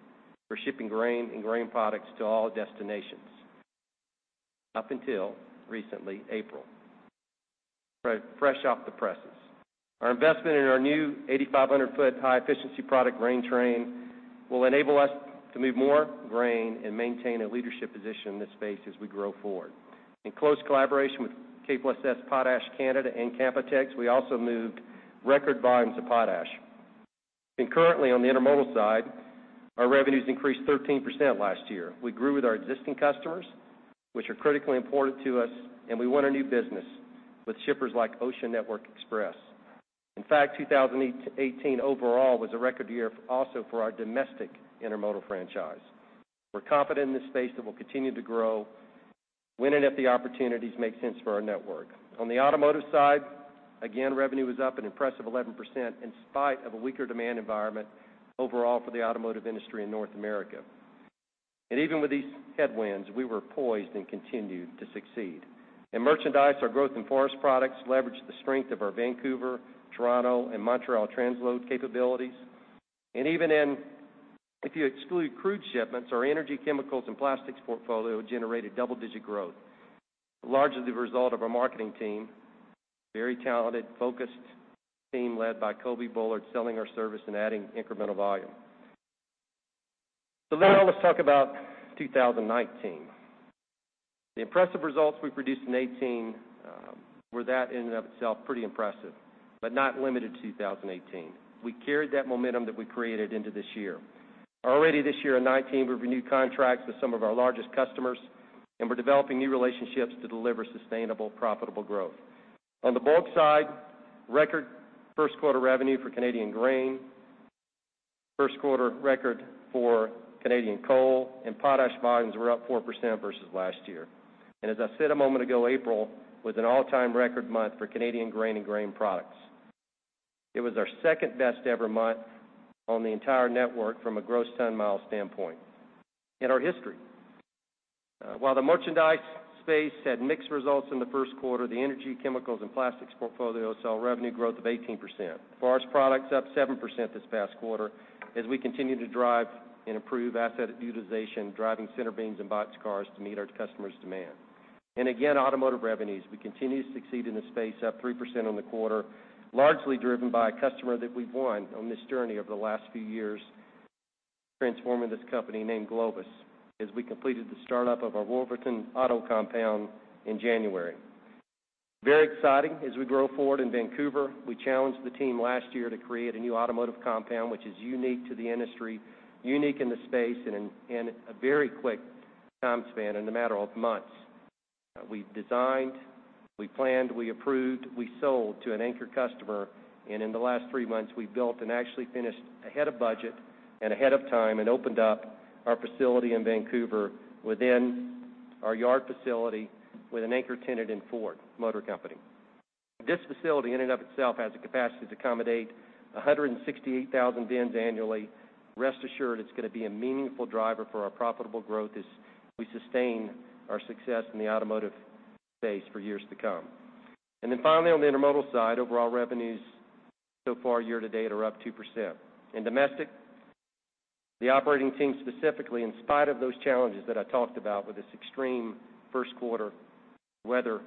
for shipping grain and grain products to all destinations, up until recently, April. Fresh off the presses. Our investment in our new 8,500-foot high-efficiency product grain train will enable us to move more grain and maintain a leadership position in this space as we grow forward. In close collaboration with K+S Potash Canada and Canpotex, we also moved record volumes of potash. Currently on the intermodal side, our revenues increased 13% last year. We grew with our existing customers, which are critically important to us, we won a new business with shippers like Ocean Network Express. In fact, 2018 overall was a record year also for our domestic intermodal franchise. We're confident in this space that we'll continue to grow, winning if the opportunities make sense for our network. On the automotive side, again, revenue was up an impressive 11% in spite of a weaker demand environment overall for the automotive industry in North America. Even with these headwinds, we were poised and continued to succeed. In merchandise, our growth in forest products leveraged the strength of our Vancouver, Toronto, and Montreal transload capabilities. Even in, if you exclude crude shipments, our Energy, Chemicals & Plastics portfolio generated double-digit growth, largely the result of our marketing team, very talented, focused team led by Coby Bullard, selling our service and adding incremental volume. Now let's talk about 2019. The impressive results we produced in 2018 were that in and of itself pretty impressive, but not limited to 2018. We carried that momentum that we created into this year. Already this year in 2019, we've renewed contracts with some of our largest customers, we're developing new relationships to deliver sustainable, profitable growth. On the bulk side, record first quarter revenue for Canadian grain, first quarter record for Canadian coal, and potash volumes were up 4% versus last year. As I said a moment ago, April was an all-time record month for Canadian grain and grain products. It was our second-best ever month on the entire network from a gross ton mile standpoint in our history. While the merchandise space had mixed results in the first quarter, the Energy, Chemicals & Plastics portfolio saw revenue growth of 18%. Forest products up 7% this past quarter as we continue to drive and improve asset utilization, driving center beams and boxcars to meet our customers' demand. Again, automotive revenues, we continue to succeed in this space, up 3% on the quarter, largely driven by a customer that we've won on this journey over the last few years transforming this company named GLOVIS, as we completed the startup of our Wolverton auto compound in January. Very exciting as we grow forward in Vancouver. We challenged the team last year to create a new automotive compound, which is unique to the industry, unique in the space, and in a very quick time span, in a matter of months. We designed, we planned, we approved, we sold to an anchor customer, and in the last three months, we built and actually finished ahead of budget and ahead of time and opened up our facility in Vancouver within our yard facility with an anchor tenant in Ford Motor Company. This facility in and of itself has the capacity to accommodate 168,000 bins annually. Rest assured, it's going to be a meaningful driver for our profitable growth as we sustain our success in the automotive space for years to come. Finally, on the intermodal side, overall revenues so far, year to date are up 2%. In domestic, the operating team, specifically in spite of those challenges that I talked about with this extreme first quarter weather,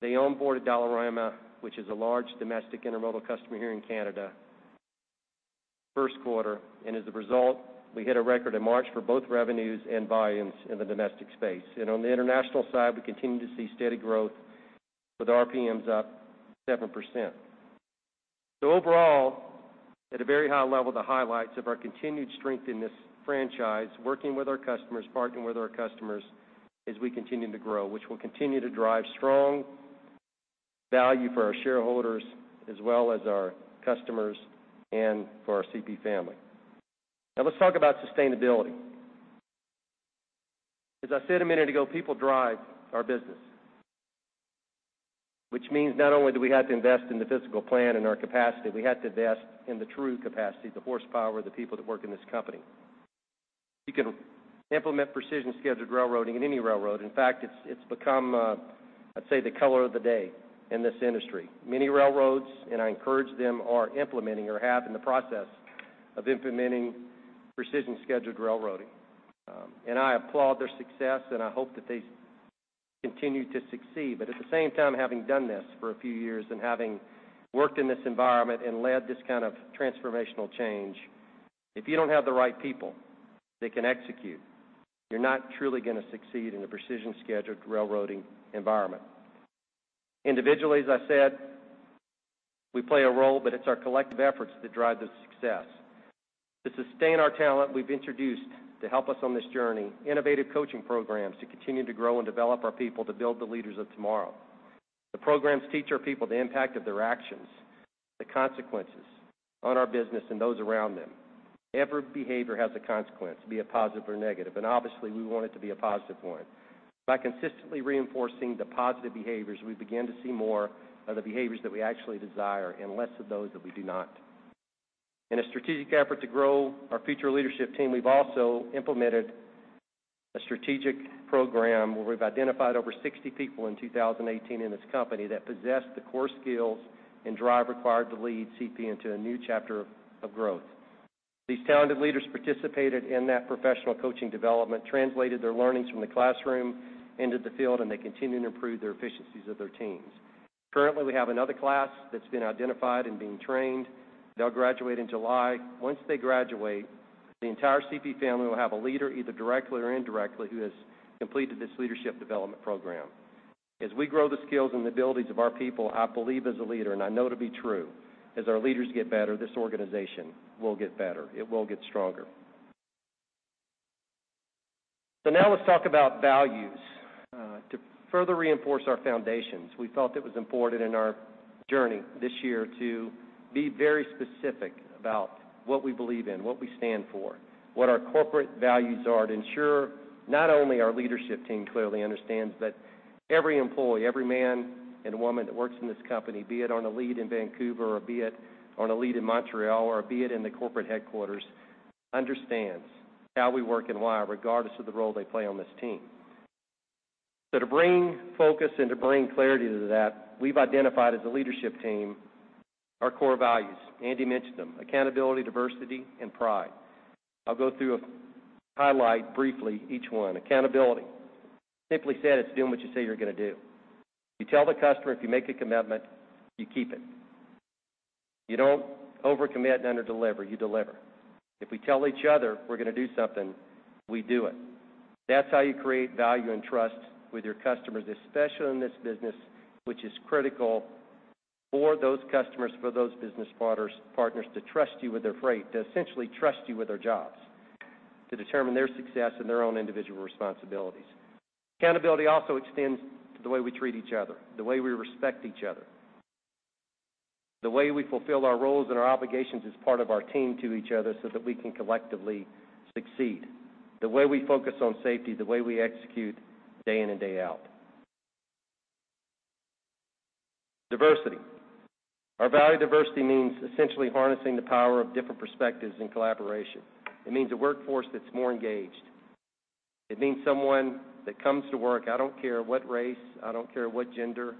they onboarded Dollarama, which is a large domestic intermodal customer here in Canada, first quarter, and as a result, we hit a record in March for both revenues and volumes in the domestic space. On the international side, we continue to see steady growth with RPMs up 7%. Overall, at a very high level, the highlights of our continued strength in this franchise, working with our customers, partnering with our customers as we continue to grow, which will continue to drive strong value for our shareholders as well as our customers and for our CP family. Now let's talk about sustainability. As I said a minute ago, people drive our business, which means not only do we have to invest in the physical plan and our capacity, we have to invest in the true capacity, the horsepower, the people that work in this company. You can implement Precision Scheduled Railroading in any railroad. In fact, it's become, I'd say, the color of the day in this industry. Many railroads, and I encourage them, are implementing or are in the process of implementing Precision Scheduled Railroading. I applaud their success, and I hope that they continue to succeed. At the same time, having done this for a few years and having worked in this environment and led this kind of transformational change, if you don't have the right people that can execute, you're not truly going to succeed in a Precision Scheduled Railroading environment. Individually, as I said, we play a role, but it's our collective efforts that drive the success. To sustain our talent, we've introduced to help us on this journey, innovative coaching programs to continue to grow and develop our people to build the leaders of tomorrow. The programs teach our people the impact of their actions, the consequences on our business and those around them. Every behavior has a consequence, be it positive or negative, and obviously, we want it to be a positive one. By consistently reinforcing the positive behaviors, we begin to see more of the behaviors that we actually desire and less of those that we do not. In a strategic effort to grow our future leadership team, we've also implemented a strategic program where we've identified over 60 people in 2018 in this company that possess the core skills and drive required to lead CP into a new chapter of growth. These talented leaders participated in that professional coaching development, translated their learnings from the classroom into the field, and they continue to improve their efficiencies of their teams. Currently, we have another class that's been identified and being trained. They'll graduate in July. Once they graduate, the entire CP family will have a leader, either directly or indirectly, who has completed this leadership development program. As we grow the skills and abilities of our people, I believe as a leader, and I know to be true, as our leaders get better, this organization will get better. It will get stronger. Now let's talk about values. To further reinforce our foundations, we felt it was important in our journey this year to be very specific about what we believe in, what we stand for, what our corporate values are to ensure not only our leadership team clearly understands, but every employee, every man and woman that works in this company, be it on a lead in Vancouver, or be it on a lead in Montreal, or be it in the corporate headquarters, understands how we work and why, regardless of the role they play on this team. To bring focus and to bring clarity to that, we've identified as a leadership team our core values. Andy mentioned them, accountability, diversity, and pride. I'll go through and highlight briefly each one. Accountability. Simply said, it's doing what you say you're going to do. You tell the customer if you make a commitment, you keep it. You don't over-commit and under-deliver, you deliver. If we tell each other we're going to do something, we do it. That's how you create value and trust with your customers, especially in this business, which is critical for those customers, for those business partners to trust you with their freight, to essentially trust you with their jobs, to determine their success and their own individual responsibilities. Accountability also extends to the way we treat each other, the way we respect each other, the way we fulfill our roles and our obligations as part of our team to each other so that we can collectively succeed. The way we focus on safety, the way we execute day in and day out. Diversity. Our value diversity means essentially harnessing the power of different perspectives and collaboration. It means a workforce that's more engaged. It means someone that comes to work, I don't care what race, I don't care what gender,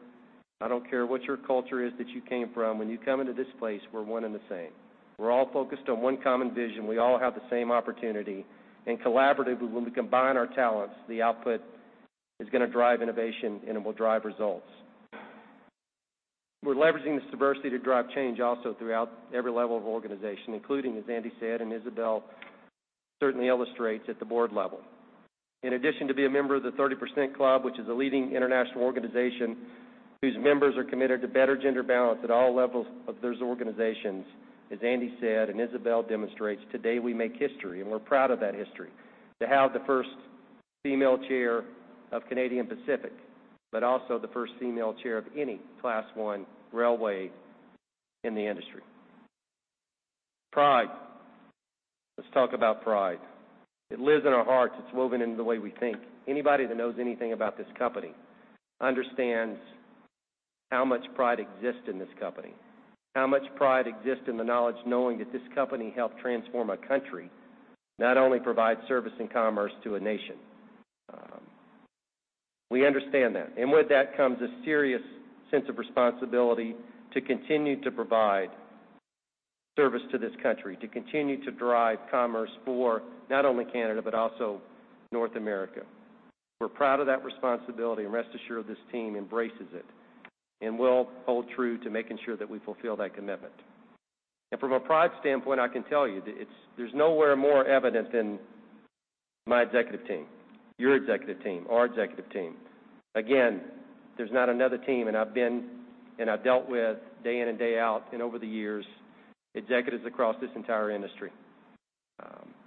I don't care what your culture is that you came from. When you come into this place, we're one and the same. We're all focused on one common vision. We all have the same opportunity, collaboratively, when we combine our talents, the output is going to drive innovation and it will drive results. We're leveraging this diversity to drive change also throughout every level of organization, including, as Andy said, Isabelle certainly illustrates at the board level. In addition to be a member of the 30% Club, which is a leading international organization whose members are committed to better gender balance at all levels of those organizations, as Andy said, Isabelle demonstrates, today we make history, and we're proud of that history. To have the first female chair of Canadian Pacific, also the first female chair of any Class I railway in the industry. Pride. Let's talk about pride. It lives in our hearts. It's woven into the way we think. Anybody that knows anything about this company understands how much pride exists in this company, how much pride exists in the knowledge knowing that this company helped transform a country, not only provide service and commerce to a nation. We understand that, with that comes a serious sense of responsibility to continue to provide service to this country, to continue to drive commerce for not only Canada, but also North America. We're proud of that responsibility, rest assured this team embraces it and will hold true to making sure that we fulfill that commitment. From a pride standpoint, I can tell you, there's nowhere more evident than my executive team, your executive team, our executive team. There's not another team, and I've been and I've dealt with day in and day out and over the years, executives across this entire industry.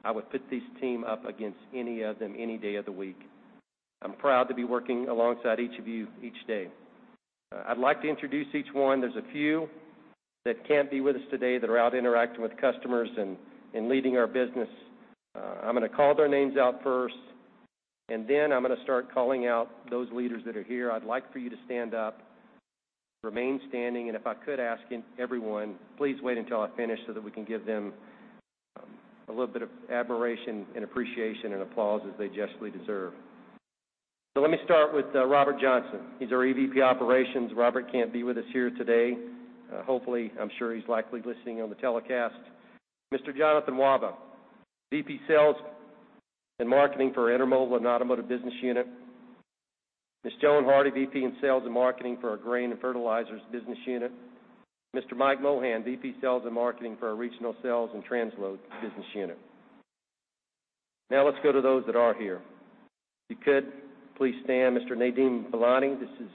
I would put this team up against any of them any day of the week. I'm proud to be working alongside each of you each day. I'd like to introduce each one. There's a few that can't be with us today that are out interacting with customers and leading our business. I'm going to call their names out first, then I'm going to start calling out those leaders that are here. I'd like for you to stand up, remain standing, if I could ask everyone, please wait until I finish so that we can give them a little bit of admiration and appreciation and applause as they justly deserve. Let me start with Robert Johnson. He's our EVP Operations. Robert can't be with us here today. Hopefully, I'm sure he's likely listening on the telecast. Mr. Jonathan Wahba, Vice President Sales and Marketing for our Intermodal and Automotive Business Unit. Ms. Joan Hardy, Vice President in Sales and Marketing for our Grain and Fertilizers Business Unit. Mr. Mike Mohan, Vice President Sales and Marketing for our Regional Sales and Transload Business Unit. Let's go to those that are here. If you could please stand. Mr. Nadeem Velani, this is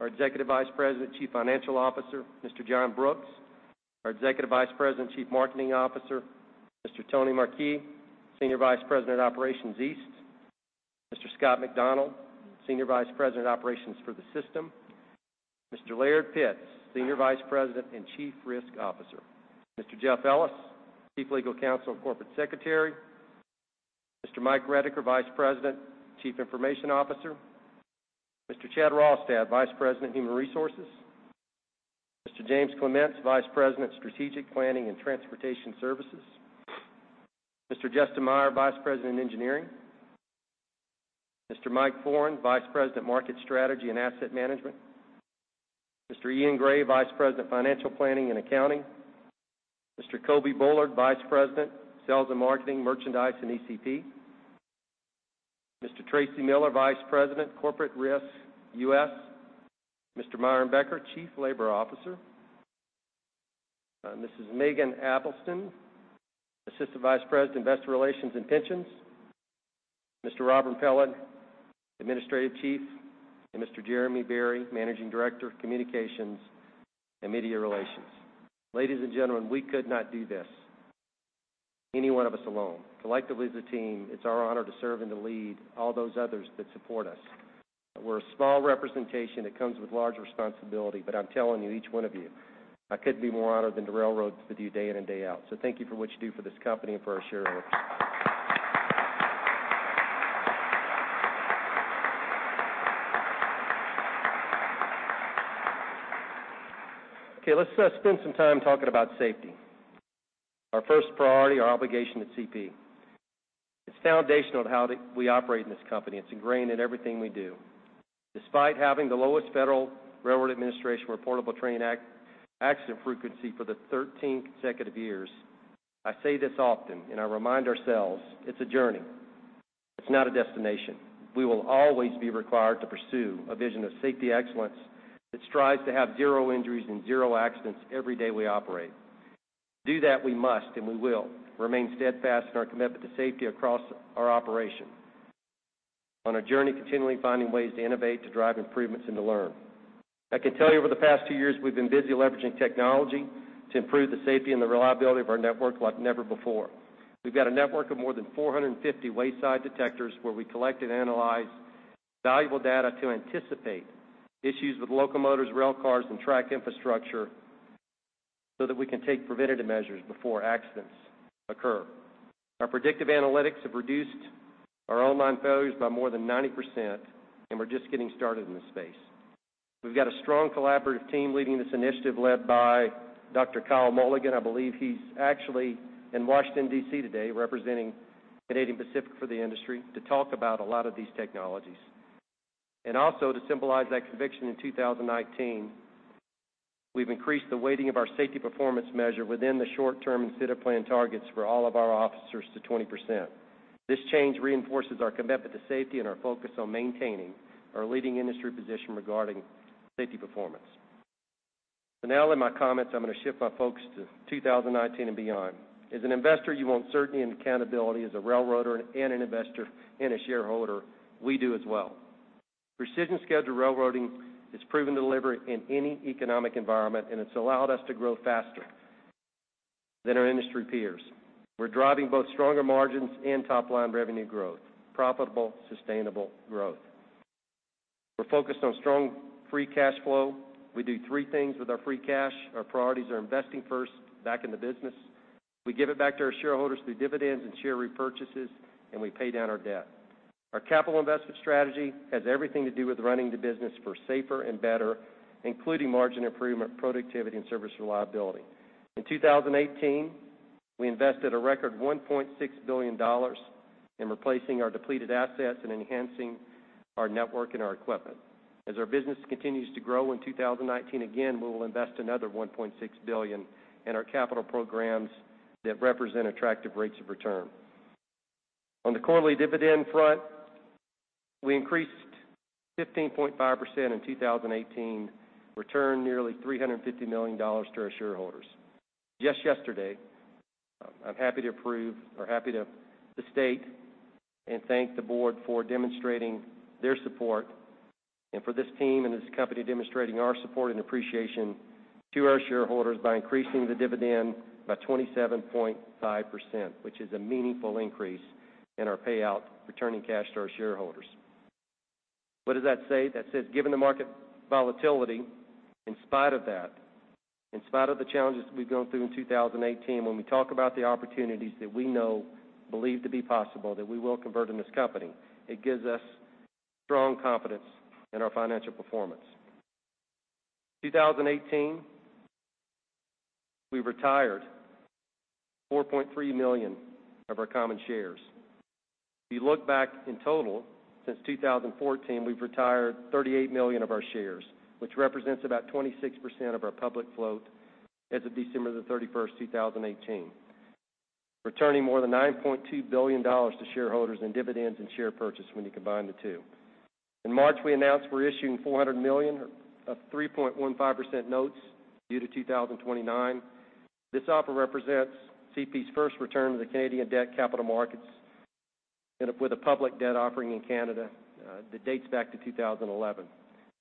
our Executive Vice President, Chief Financial Officer. Mr. John Brooks, our Executive Vice President, Chief Marketing Officer. Mr. Tony Marquis, Senior Vice President, Operations East. Mr. Scott MacDonald, Senior Vice President, Operations for the system. Mr. Laird Pitz, Senior Vice President and Chief Risk Officer. Mr. Jeff Ellis, Chief Legal Counsel and Corporate Secretary. Mr. Mike Redeker, Vice President, Chief Information Officer. Mr. Chad Rolstad, Vice President, Human Resources. Mr. James Clements, Vice President, Strategic Planning and Transportation Services. Mr. Justin Meyer, Vice President, Engineering. Mr. Mike Foran, Vice President, Market Strategy and Asset Management. Mr. Ian Gray, Vice President, Financial Planning and Accounting. Mr. Coby Bullard, Vice President, Sales and Marketing, Merchandise and ECP. Mr. Tracy Miller, Vice President, Corporate Risk, U.S. Mr. Myron Becker, Chief Labor Officer. Mrs. Maeghan Albiston, Assistant Vice President, Investor Relations and Pensions. Mr. Robert Johnson, Administrative Chief, and Mr. Jeremy Berry, Managing Director of Communications and Media Relations. Ladies and gentlemen, we could not do this, any one of us alone. Collectively as a team, it's our honor to serve and to lead all those others that support us. We're a small representation that comes with large responsibility, but I'm telling you, each one of you, I couldn't be more honored than to railroad with you day in and day out. Thank you for what you do for this company and for our shareholders. Let's spend some time talking about safety, our first priority, our obligation at CP. It's foundational to how we operate in this company. It's ingrained in everything we do. Despite having the lowest Federal Railroad Administration Reportable Train Accident frequency for the 13 consecutive years, I say this often, I remind ourselves, it's a journey. It's not a destination. We will always be required to pursue a vision of safety excellence that strives to have zero injuries and zero accidents every day we operate. Do that we must, we will remain steadfast in our commitment to safety across our operation on a journey continually finding ways to innovate, to drive improvements, and to learn. I can tell you over the past two years, we've been busy leveraging technology to improve the safety and the reliability of our network like never before. We've got a network of more than 450 wayside detectors where we collect and analyze valuable data to anticipate issues with locomotives, rail cars, and track infrastructure so that we can take preventative measures before accidents occur. Our predictive analytics have reduced our online failures by more than 90%, we're just getting started in this space. We've got a strong collaborative team leading this initiative led by Dr. Kyle Mulligan. I believe he's actually in Washington, D.C. today, representing Canadian Pacific for the industry to talk about a lot of these technologies. Also to symbolize that conviction in 2019, we've increased the weighting of our safety performance measure within the short-term incentive plan targets for all of our officers to 20%. This change reinforces our commitment to safety and our focus on maintaining our leading industry position regarding safety performance. Now in my comments, I'm going to shift my focus to 2019 and beyond. As an investor, you want certainty and accountability. As a railroader and an investor and a shareholder, we do as well. Precision Scheduled Railroading has proven delivery in any economic environment, and it's allowed us to grow faster than our industry peers. We're driving both stronger margins and top-line revenue growth, profitable, sustainable growth. We're focused on strong free cash flow. We do three things with our free cash. Our priorities are investing first back in the business. We give it back to our shareholders through dividends and share repurchases, and we pay down our debt. Our capital investment strategy has everything to do with running the business for safer and better, including margin improvement, productivity, and service reliability. In 2018, we invested a record 1.6 billion dollars in replacing our depleted assets and enhancing our network and our equipment. Our business continues to grow in 2019, again, we will invest another 1.6 billion in our capital programs that represent attractive rates of return. On the quarterly dividend front, we increased 15.5% in 2018, returned nearly 350 million dollars to our shareholders. Just yesterday, I'm happy to state and thank the board for demonstrating their support and for this team and this company demonstrating our support and appreciation to our shareholders by increasing the dividend by 27.5%, which is a meaningful increase in our payout, returning cash to our shareholders. What does that say? That says, given the market volatility, in spite of that, in spite of the challenges that we've gone through in 2018, when we talk about the opportunities that we know, believe to be possible, that we will convert in this company, it gives us strong confidence in our financial performance. 2018, we retired 4.3 million of our common shares. You look back in total, since 2014, we've retired 38 million of our shares, which represents about 26% of our public float as of December 31st, 2018, returning more than 9.2 billion dollars to shareholders in dividends and share purchase when you combine the two. In March, we announced we're issuing 400 million of 3.15% notes due to 2029. This offer represents CP's first return to the Canadian debt capital markets with a public debt offering in Canada that dates back to 2011.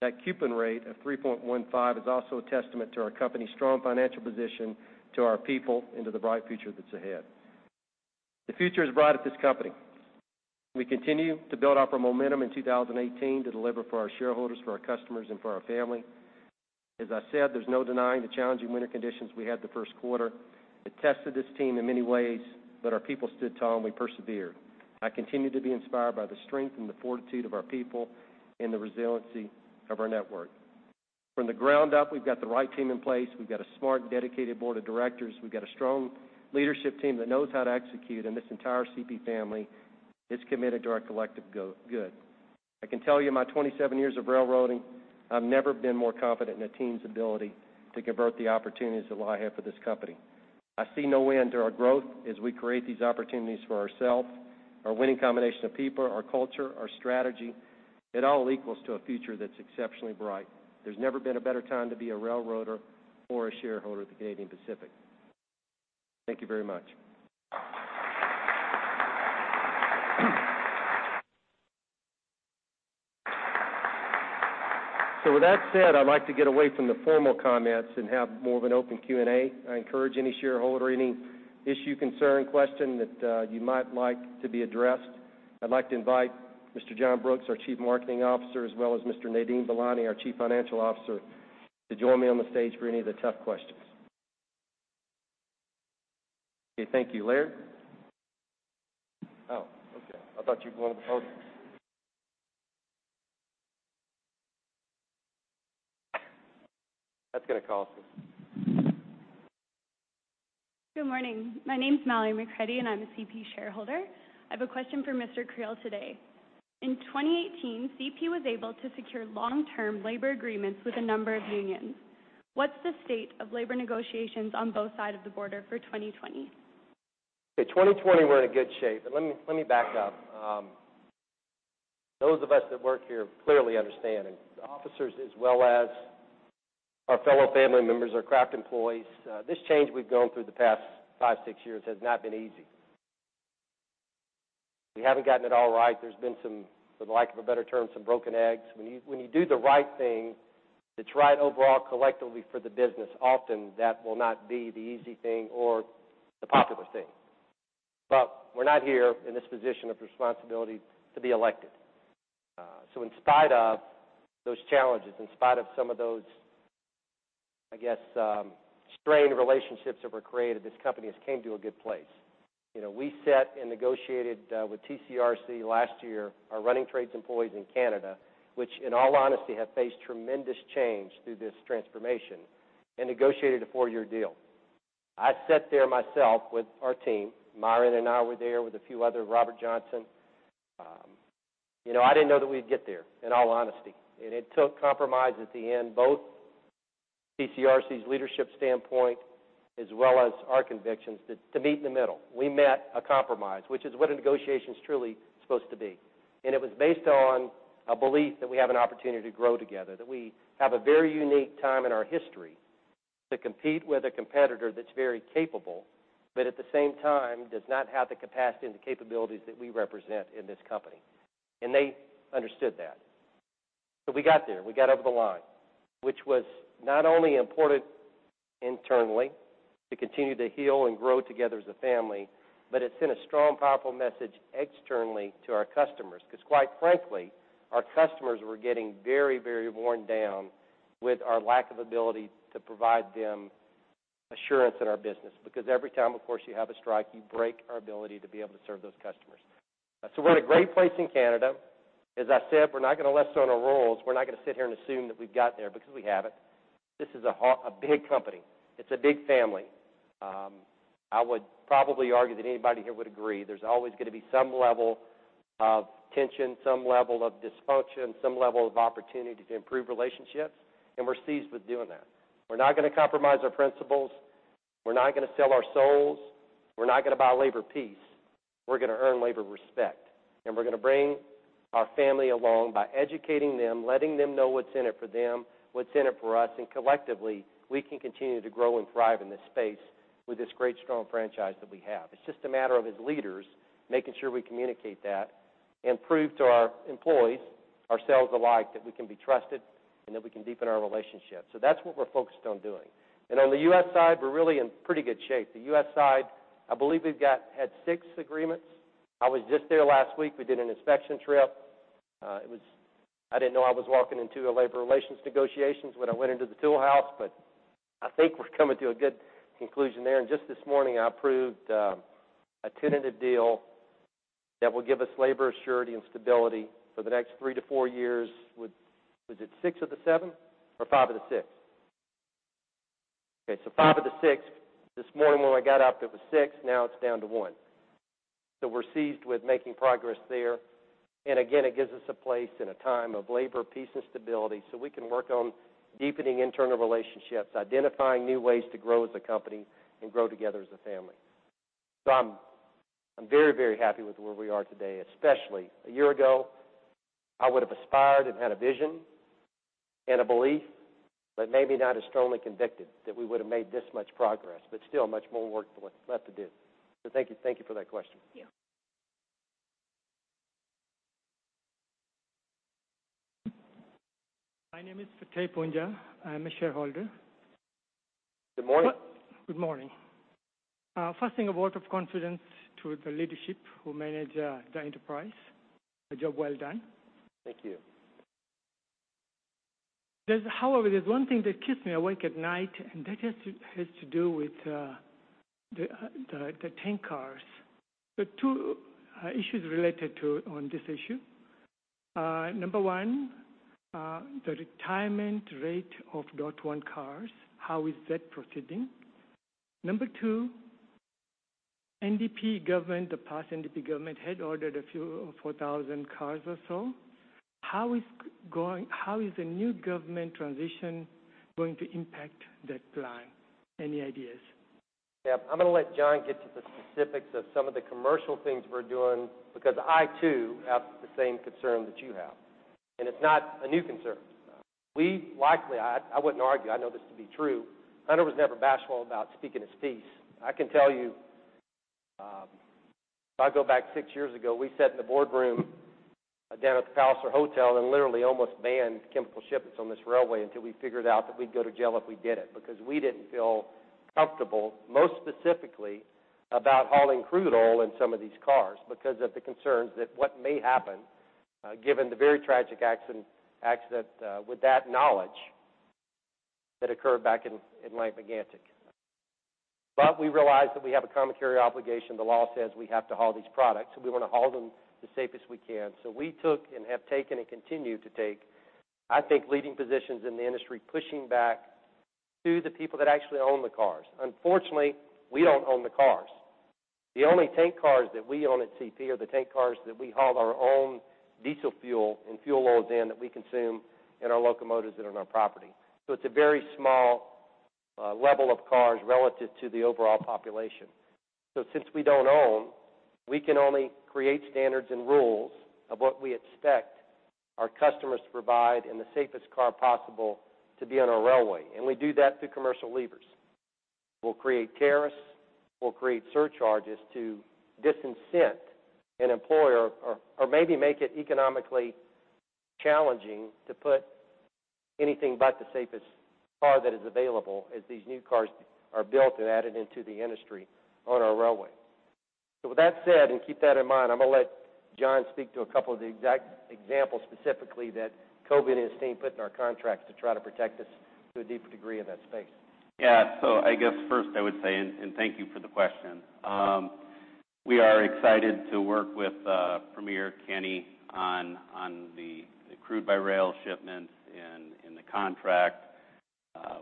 That coupon rate of 3.15% is also a testament to our company's strong financial position, to our people, and to the bright future that's ahead. The future is bright at this company. We continue to build off our momentum in 2018 to deliver for our shareholders, for our customers, and for our family. I said, there's no denying the challenging winter conditions we had the first quarter. It tested this team in many ways, but our people stood tall, and we persevered. I continue to be inspired by the strength and the fortitude of our people and the resiliency of our network. From the ground up, we've got the right team in place. We've got a smart, dedicated board of directors. We've got a strong leadership team that knows how to execute, and this entire CP family is committed to our collective good. I can tell you, in my 27 years of railroading, I've never been more confident in a team's ability to convert the opportunities that lie ahead for this company. I see no end to our growth as we create these opportunities for ourselves. Our winning combination of people, our culture, our strategy, it all equals to a future that's exceptionally bright. There's never been a better time to be a railroader or a shareholder at Canadian Pacific. Thank you very much. With that said, I'd like to get away from the formal comments and have more of an open Q&A. I encourage any shareholder, any issue, concern, question that you might like to be addressed. I'd like to invite Mr. John Brooks, our Chief Marketing Officer, as well as Mr. Nadeem Velani, our Chief Financial Officer, to join me on the stage for any of the tough questions. Okay, thank you. Laird? Oh, okay. I thought you were going to the podium. That's going to cost you. Good morning. My name's Mallory McCredie, and I'm a CP shareholder. I have a question for Mr. Creel today. In 2018, CP was able to secure long-term labor agreements with a number of unions. What's the state of labor negotiations on both sides of the border for 2020? Okay, 2020, we're in a good shape. Let me back up. Those of us that work here clearly understand, and the officers, as well as our fellow family members, our craft employees, this change we've gone through the past five, six years has not been easy. We haven't gotten it all right. There's been some, for the lack of a better term, some broken eggs. When you do the right thing that's right overall collectively for the business, often that will not be the easy thing or the popular thing. We're not here in this position of responsibility to be elected. In spite of those challenges, in spite of some of those, I guess, strained relationships that were created, this company has came to a good place. We sat and negotiated with TCRC last year, our running trades employees in Canada, which in all honesty have faced tremendous change through this transformation, and negotiated a four-year deal. I sat there myself with our team, Myron and I were there with a few others, Robert Johnson. I didn't know that we'd get there, in all honesty. It took compromise at the end, both TCRC's leadership standpoint as well as our convictions to meet in the middle. We met a compromise, which is what a negotiation's truly supposed to be. It was based on a belief that we have an opportunity to grow together, that we have a very unique time in our history to compete with a competitor that's very capable, but at the same time, does not have the capacity and the capabilities that we represent in this company. They understood that. We got there. We got over the line, which was not only important internally to continue to heal and grow together as a family, but it sent a strong, powerful message externally to our customers because quite frankly, our customers were getting very, very worn down with our lack of ability to provide them assurance in our business because every time, of course, you have a strike, you break our ability to be able to serve those customers. We're in a great place in Canada. As I said, we're not going to rest on our laurels. We're not going to sit here and assume that we've gotten there because we haven't. This is a big company. It's a big family. I would probably argue that anybody here would agree there's always going to be some level of tension, some level of dysfunction, some level of opportunity to improve relationships, we're seized with doing that. We're not going to compromise our principles. We're not going to sell our souls. We're not going to buy labor peace. We're going to earn labor respect, we're going to bring our family along by educating them, letting them know what's in it for them, what's in it for us, collectively, we can continue to grow and thrive in this space with this great, strong franchise that we have. It's just a matter of, as leaders, making sure we communicate that and prove to our employees, ourselves alike, that we can be trusted and that we can deepen our relationships. That's what we're focused on doing. On the U.S. side, we're really in pretty good shape. The U.S. side, I believe we've had six agreements. I was just there last week. We did an inspection trip. I didn't know I was walking into labor relations negotiations when I went into the tool house, I think we're coming to a good conclusion there. Just this morning, I approved a tentative deal that will give us labor surety and stability for the next three to four years with. Was it six of the seven or five of the six? Okay, five of the six. This morning when I got up, it was six, now it's down to one. We're seized with making progress there. Again, it gives us a place and a time of labor peace and stability so we can work on deepening internal relationships, identifying new ways to grow as a company, and grow together as a family. I'm very happy with where we are today, especially a year ago, I would have aspired and had a vision and a belief, but maybe not as strongly convicted that we would have made this much progress, but still much more work left to do. Thank you for that question. Yeah. My name is Fateh Poonja. I am a shareholder. Good morning. Good morning. First thing, a vote of confidence to the leadership who manage the enterprise. A job well done. Thank you. There's one thing that keeps me awake at night, and that has to do with the tank cars. There are two issues related on this issue. Number one, the retirement rate of DOT 111 cars. How is that proceeding? Number two, NDP government, the past NDP government had ordered a few, 4,000 cars or so. How is the new government transition going to impact that plan? Any ideas? I'm going to let John get to the specifics of some of the commercial things we're doing because I, too, have the same concern that you have, and it's not a new concern. We likely, I wouldn't argue, I know this to be true, Hunter was never bashful about speaking his piece. I can tell you, if I go back six years ago, we sat in the boardroom down at the Palliser Hotel and literally almost banned chemical shipments on this railway until we figured out that we'd go to jail if we did it because we didn't feel comfortable, most specifically about hauling crude oil in some of these cars because of the concerns that what may happen given the very tragic accident with that knowledge that occurred back in Lac-Mégantic. We realized that we have a common carrier obligation. The law says we have to haul these products, we want to haul them the safest we can. We took and have taken and continue to take, I think, leading positions in the industry, pushing back to the people that actually own the cars. Unfortunately, we don't own the cars. The only tank cars that we own at CP are the tank cars that we haul our own diesel fuel and fuel oils in that we consume in our locomotives that are on our property. It's a very small level of cars relative to the overall population. Since we don't own, we can only create standards and rules of what we expect our customers to provide in the safest car possible to be on our railway. We do that through commercial levers. We'll create tariffs, we'll create surcharges to disincent an employer or maybe make it economically challenging to put anything but the safest car that is available as these new cars are built and added into the industry on our railway. With that said, and keep that in mind, I'm going to let John speak to a couple of the exact examples specifically that Coby and his team put in our contracts to try to protect us to a deeper degree in that space. Yeah. I guess first I would say, and thank you for the question, we are excited to work with Premier Kenney on the crude-by-rail shipments and the contract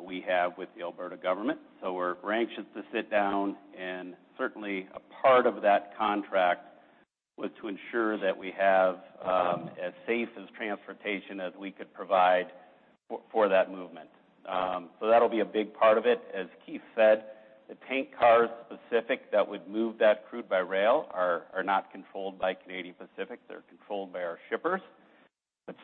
we have with the Alberta government. We're anxious to sit down, and certainly a part of that contract was to ensure that we have as safe as transportation as we could provide for that movement. That'll be a big part of it. As Keith said, the tank cars specific that would move that crude by rail are not controlled by Canadian Pacific. They're controlled by our shippers.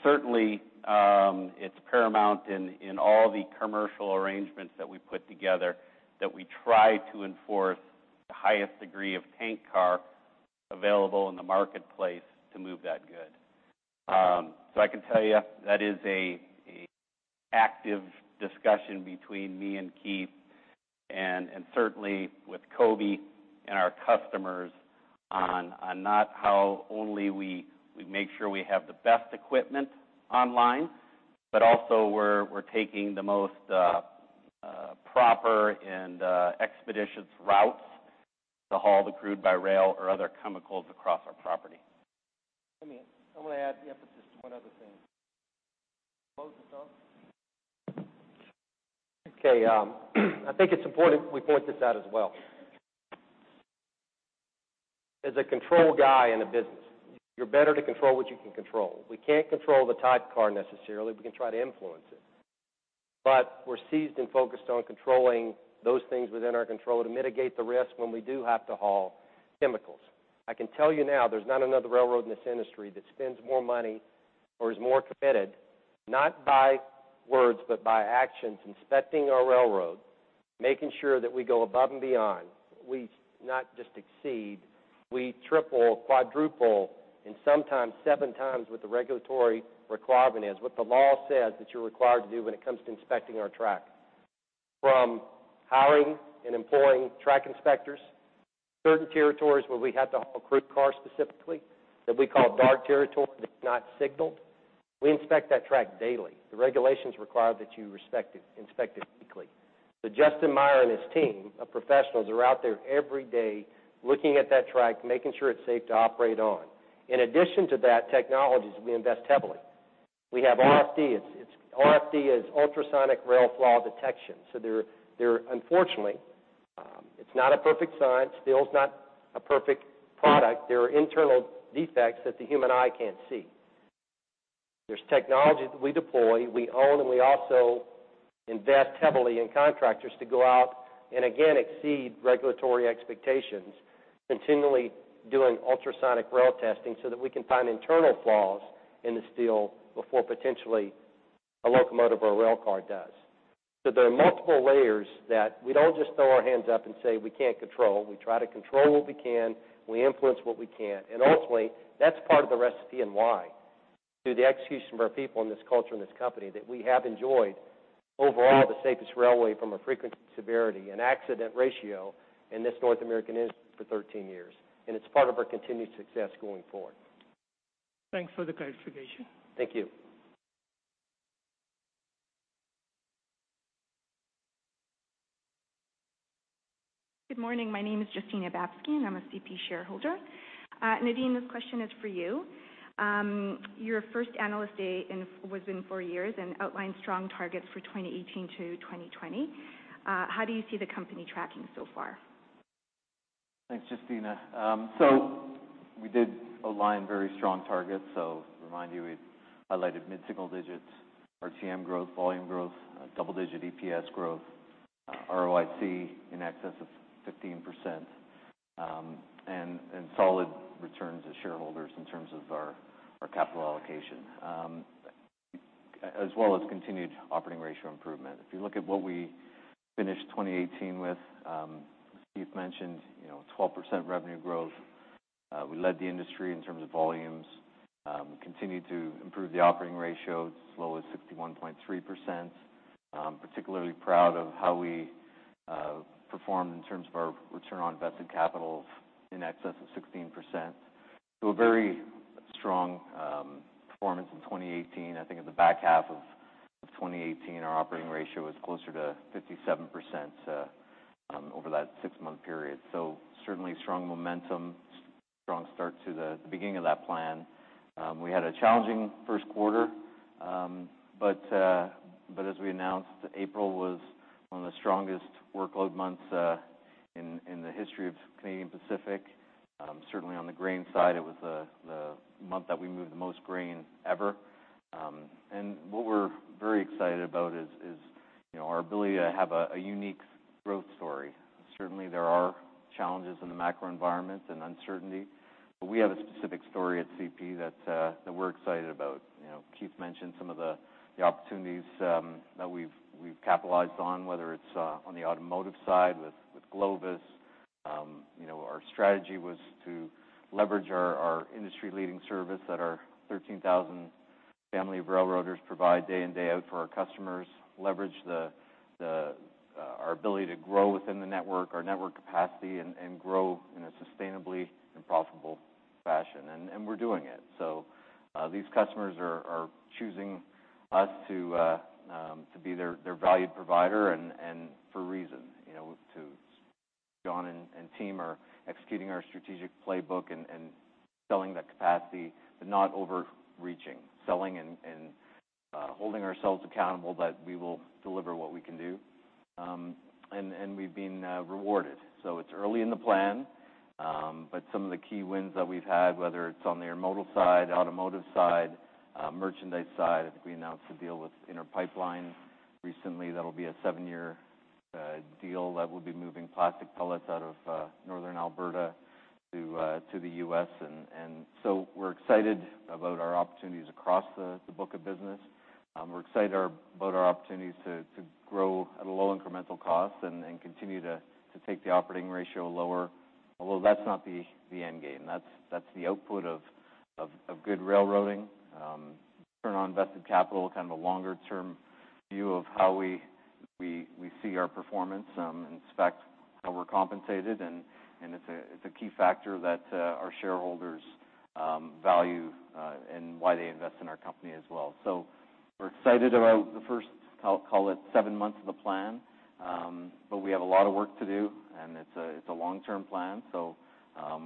Certainly, it's paramount in all the commercial arrangements that we put together that we try to enforce the highest degree of tank car available in the marketplace to move that good. I can tell you that is an active discussion between me and Keith, and certainly with Coby and our customers on not how only we make sure we have the best equipment online, but also we're taking the most proper and expeditious routes to haul the crude by rail or other chemicals across our property. I'm going to add emphasis to one other thing. Close this off. Okay. I think it's important we point this out as well. As a control guy in a business, you're better to control what you can control. We can't control the type of car necessarily. We can try to influence it, but we're seized and focused on controlling those things within our control to mitigate the risk when we do have to haul chemicals. I can tell you now, there's not another railroad in this industry that spends more money or is more committed, not by words but by actions, inspecting our railroad, making sure that we go above and beyond. We not just exceed, we triple, quadruple, and sometimes seven times what the regulatory requirement is, what the law says that you're required to do when it comes to inspecting our track. From hiring and employing track inspectors, certain territories where we have to haul crude cars specifically that we call dark territory, that's not signaled, we inspect that track daily. The regulations require that you inspect it weekly. Justin Meyer and his team of professionals are out there every day looking at that track, making sure it's safe to operate on. In addition to that, technologies, we invest heavily. We have RFD. RFD is ultrasonic Rail Flaw Detection. Unfortunately, it's not a perfect science. Steel's not a perfect product. There are internal defects that the human eye can't see. There's technology that we deploy, we own, and we also invest heavily in contractors to go out and, again, exceed regulatory expectations, continually doing ultrasonic rail testing so that we can find internal flaws in the steel before potentially a locomotive or a rail car does. There are multiple layers that we don't just throw our hands up and say we can't control. We try to control what we can. We influence what we can't, and ultimately, that's part of the recipe and why, through the execution of our people and this culture and this company, that we have enjoyed, overall, the safest railway from a frequency, severity, and accident ratio in this North American industry for 13 years. It's part of our continued success going forward. Thanks for the clarification. Thank you. Good morning. My name is Justina Babsky, and I'm a CP shareholder. Nadeem, this question is for you. Your first analyst day was in four years and outlined strong targets for 2018 to 2020. How do you see the company tracking so far? Thanks, Justina. We did align very strong targets. Remind you, we highlighted mid-single digits RTM growth, volume growth, double-digit EPS growth, ROIC in excess of 15%, and solid returns to shareholders in terms of our capital allocation, as well as continued operating ratio improvement. If you look at what we finished 2018 with, as Keith mentioned, 12% revenue growth. We led the industry in terms of volumes, continued to improve the operating ratio as low as 61.3%. Particularly proud of how we performed in terms of our return on invested capital in excess of 16%. A very strong performance in 2018. I think at the back half of 2018, our operating ratio was closer to 57% over that six-month period. Certainly strong momentum, strong start to the beginning of that plan. We had a challenging first quarter. As we announced, April was one of the strongest workload months in the history of Canadian Pacific. Certainly on the grain side, it was the month that we moved the most grain ever. What we're very excited about is our ability to have a unique growth story. Certainly, there are challenges in the macro environment and uncertainty, but we have a specific story at CP that we're excited about. Keith mentioned some of the opportunities that we've capitalized on, whether it's on the automotive side with GLOVIS. Our strategy was to leverage our industry-leading service that our 13,000 family of railroaders provide day in, day out for our customers, leverage our ability to grow within the network, our network capacity, and grow in a sustainably and profitable fashion, and we're doing it. These customers are choosing us to be their valued provider, and for a reason. John and team are executing our strategic playbook and selling that capacity, but not overreaching. Selling and holding ourselves accountable that we will deliver what we can do, and we've been rewarded. It's early in the plan, but some of the key wins that we've had, whether it's on the intermodal side, automotive side, merchandise side, I think we announced a deal with Inter Pipeline recently. That'll be a seven-year deal that we'll be moving plastic pellets out of Northern Alberta to the U.S. We're excited about our opportunities across the book of business. We're excited about our opportunities to grow at a low incremental cost and continue to take the operating ratio lower, although that's not the end game. That's the output of good railroading. Return on invested capital, kind of a longer-term view of how we see our performance and how we're compensated, and it's a key factor that our shareholders value and why they invest in our company as well. We're excited about the first, call it seven months of the plan. We have a lot of work to do, and it's a long-term plan,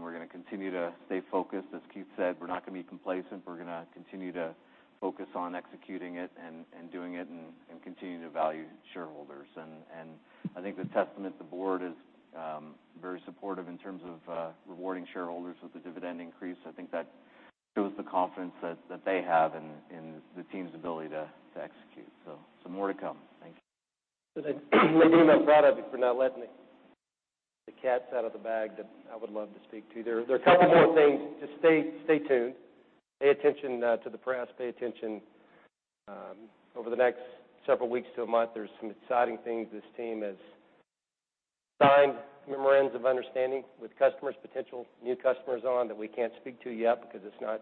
we're going to continue to stay focused. As Keith said, we're not going to be complacent. We're going to continue to focus on executing it and doing it and continue to value shareholders. I think the testament, the board is very supportive in terms of rewarding shareholders with the dividend increase. I think that shows the confidence that they have in the team's ability to execute. Some more to come. Thank you. Nadeem, I'm proud of you for not letting the cats out of the bag that I would love to speak to. There are a couple more things. Just stay tuned, pay attention to the press, pay attention over the next several weeks to a month. There's some exciting things this team has signed memorandums of understanding with customers, potential new customers on that we can't speak to yet because it's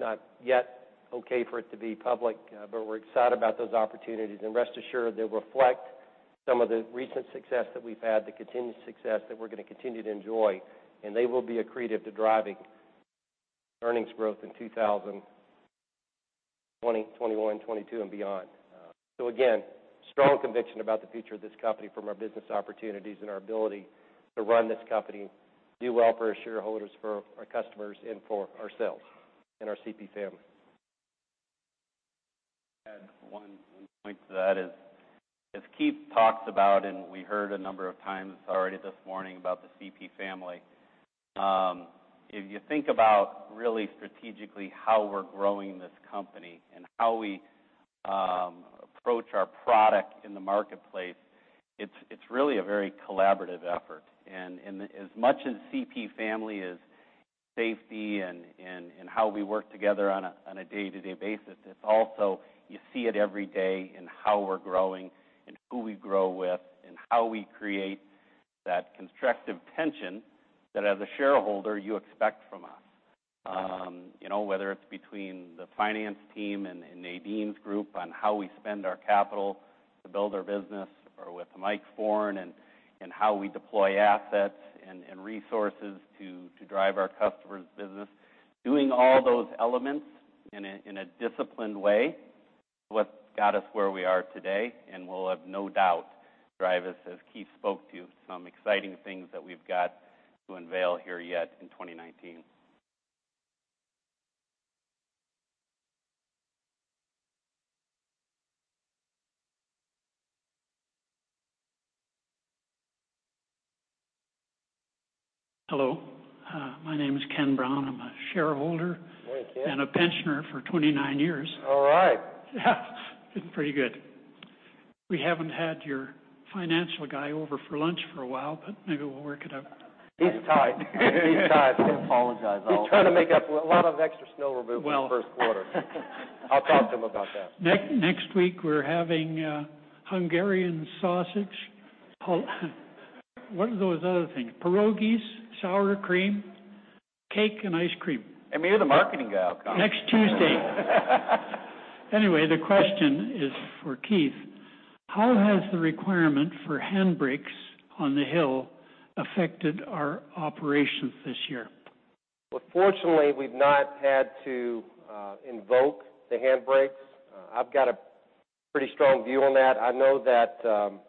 not yet okay for it to be public. We're excited about those opportunities, and rest assured, they reflect some of the recent success that we've had, the continued success that we're going to continue to enjoy, and they will be accretive to driving earnings growth in 2020, 2021, 2022, and beyond. Again, strong conviction about the future of this company from our business opportunities and our ability to run this company, do well for our shareholders, for our customers, and for ourselves and our CP family. Add one point to that is, as Keith talked about and we heard a number of times already this morning about the CP family. If you think about really strategically how we're growing this company and how we approach our product in the marketplace, it's really a very collaborative effort. As much as CP family is safety and how we work together on a day-to-day basis, it's also you see it every day in how we're growing and who we grow with and how we create that constructive tension that as a shareholder, you expect from us. Whether it's between the finance team and Nadeem's group on how we spend our capital to build our business or with Mike Foran and how we deploy assets and resources to drive our customers' business. Doing all those elements in a disciplined way is what's got us where we are today and will, have no doubt, drive us, as Keith spoke to, some exciting things that we've got to unveil here yet in 2019. Hello. My name is Ken Brown. I'm a shareholder- Hi, Ken I'm a pensioner for 29 years. All right. Yeah, it's been pretty good. We haven't had your financial guy over for lunch for a while. Maybe we'll work it out. He's tied. He's tied. We apologize also. He's trying to make up a lot of extra snow removal in the first quarter. Well I'll talk to him about that. Next week we're having Hungarian sausage, what are those other things? Pierogis, sour cream, cake, and ice cream. I mean, the marketing guy will come. Next Tuesday. Anyway, the question is for Keith Creel. How has the requirement for hand brakes on the hill affected our operations this year? Well, fortunately, we've not had to invoke the hand brakes. I've got a pretty strong view on that. I know that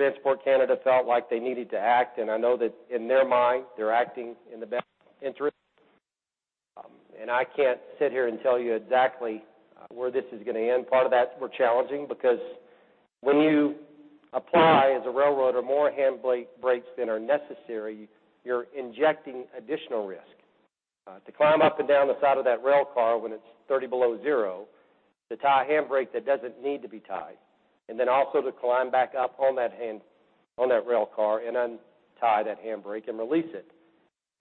Transport Canada felt like they needed to act, and I know that in their mind, they're acting in the best interest. I can't sit here and tell you exactly where this is going to end. Part of that's more challenging because when you apply, as a railroad or more hand brakes than are necessary, you're injecting additional risk. To climb up and down the side of that rail car when it's 30 below zero, to tie a hand brake that doesn't need to be tied, then also to climb back up on that rail car and untie that hand brake and release it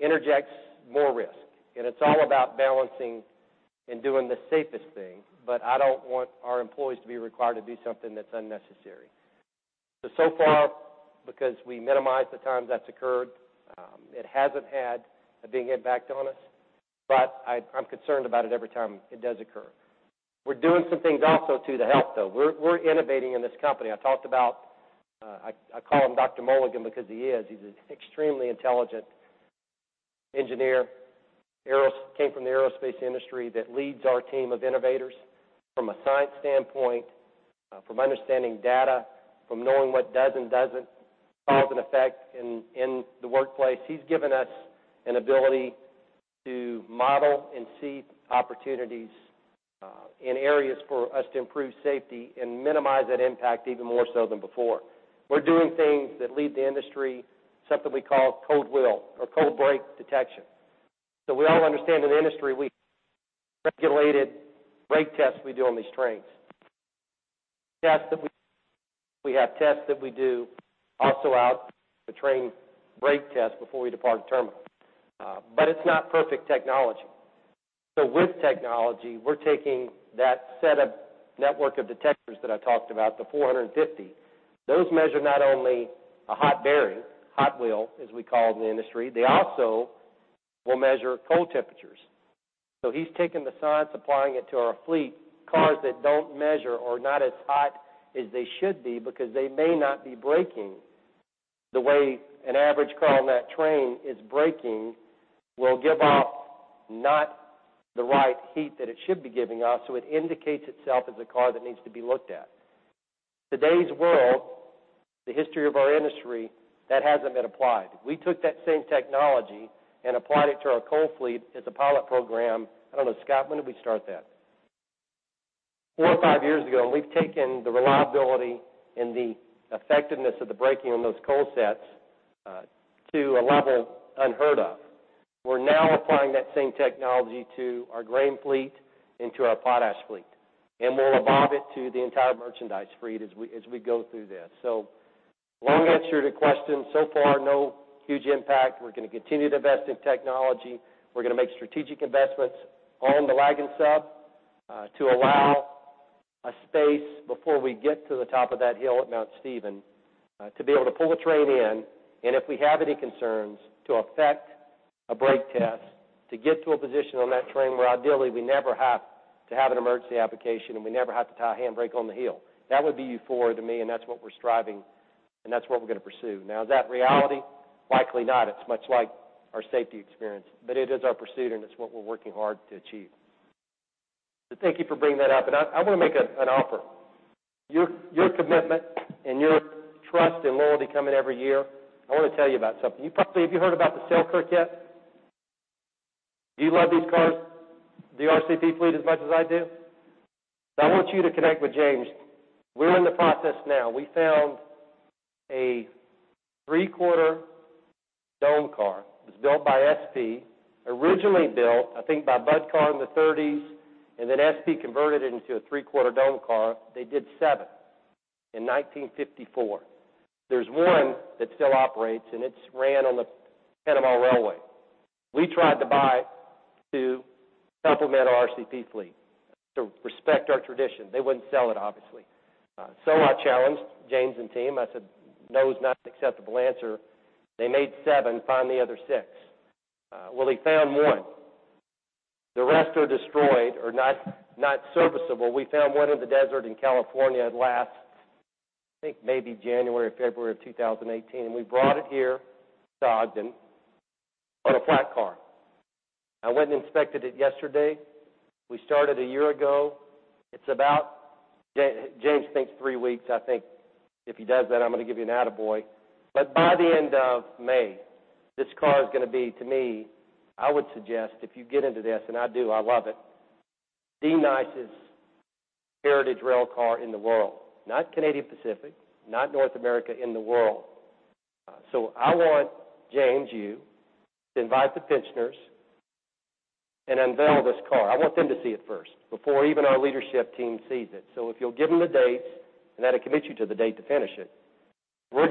interjects more risk. It's all about balancing and doing the safest thing. I don't want our employees to be required to do something that's unnecessary. So far, because we minimize the times that's occurred, it hasn't had a big impact on us, but I'm concerned about it every time it does occur. We're doing some things also to help, though. We're innovating in this company. I call him Dr. Kyle Mulligan because he is. He's an extremely intelligent engineer, came from the aerospace industry that leads our team of innovators from a science standpoint, from understanding data, from knowing what does and doesn't cause an effect in the workplace. He's given us an ability to model and see opportunities in areas for us to improve safety and minimize that impact even more so than before. We're doing things that lead the industry, something we call cold wheel or cold brake detection. We all understand in the industry, we regulated brake tests we do on these trains. Tests that we do also out the train brake test before we depart the terminal. It's not perfect technology. With technology, we're taking that set of network of detectors that I talked about, the 450. Those measure not only a hot bearing, hot wheel, as we call it in the industry, they also will measure cold temperatures. So he's taking the science, applying it to our fleet. Cars that don't measure or not as hot as they should be because they may not be braking the way an average car on that train is braking will give off not the right heat that it should be giving off, so it indicates itself as a car that needs to be looked at. Today's world, the history of our industry, that hasn't been applied. We took that same technology and applied it to our coal fleet as a pilot program. I don't know, Scott, when did we start that? Four or five years ago, and we've taken the reliability and the effectiveness of the braking on those coal sets to a level unheard of. We're now applying that same technology to our grain fleet and to our potash fleet, and we'll evolve it to the entire merchandise fleet as we go through this. Long answer to question, so far, no huge impact. We're going to continue to invest in technology. We're going to make strategic investments on the Laggan Sub to allow a space before we get to the top of that hill at Mount Stephen to be able to pull a train in, and if we have any concerns, to affect a brake test, to get to a position on that train where ideally, we never have to have an emergency application, and we never have to tie a handbrake on the hill. That would be euphoric to me, and that's what we're striving for, and that's what we're going to pursue. Is that reality? Likely not. It's much like our safety experience. It is our pursuit, and it's what we're working hard to achieve. Thank you for bringing that up, and I want to make an offer. Your commitment and your trust and loyalty coming every year, I want to tell you about something. Have you heard about the Selkirk yet? Do you love these cars, the RCP fleet, as much as I do? I want you to connect with James. We're in the process now. We found a three-quarter dome car. It was built by SP, originally built, I think, by Budd Company in the '30s, and then SP converted it into a three-quarter dome car. They did seven in 1954. There's one that still operates, and it's ran on the Panama Railway. We tried to buy it to complement our RCP fleet, to respect our tradition. They wouldn't sell it, obviously. I challenged James and team. I said, "No is not an acceptable answer. They made seven. Find the other six." Well, he found one. The rest are destroyed or not serviceable. We found one in the desert in California last, I think, maybe January or February of 2018, and we brought it here, to Ogden, on a flat car. I went and inspected it yesterday. We started a year ago. It's about, James thinks three weeks, I think if he does that, I'm going to give you an attaboy. By the end of May, this car is going to be, to me, I would suggest if you get into this, and I do, I love it, the nicest heritage rail car in the world. Not Canadian Pacific, not North America, in the world. I want, James, you, to invite the pensioners and unveil this car. I want them to see it first before even our leadership team sees it. If you'll give them the dates and that'll commit you to the date to finish it, we're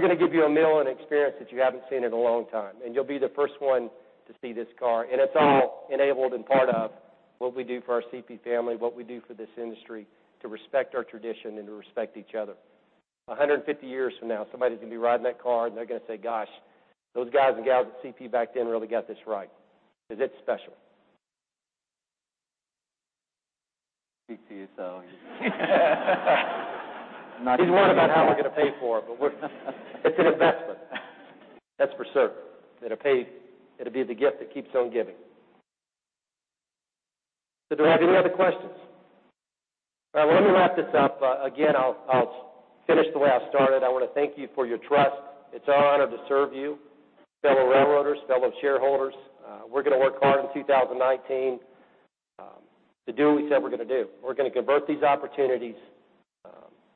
going to give you a meal and experience that you haven't seen in a long time, and you'll be the first one to see this car, and it's all enabled and part of what we do for our CP family, what we do for this industry to respect our tradition and to respect each other. 150 years from now, somebody's going to be riding that car, and they're going to say, "Gosh, those guys and gals at CP back then really got this right because it's special. Speak to you, I'm not He's worried about how we're going to pay for it's an investment. That's for certain. It'll be the gift that keeps on giving. Did we have any other questions? All right. Let me wrap this up. Again, I'll finish the way I started. I want to thank you for your trust. It's our honor to serve you, fellow railroaders, fellow shareholders. We're going to work hard in 2019 to do what we said we're going to do. We're going to convert these opportunities.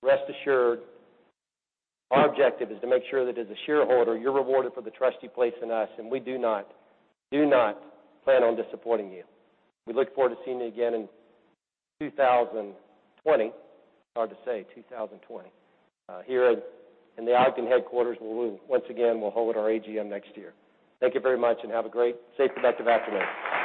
Rest assured, our objective is to make sure that as a shareholder, you're rewarded for the trust you place in us, and we do not plan on disappointing you. We look forward to seeing you again in 2020. Hard to say, 2020. Here in the Ogden headquarters, where we once again will hold our AGM next year. Thank you very much, have a great, safe, productive afternoon.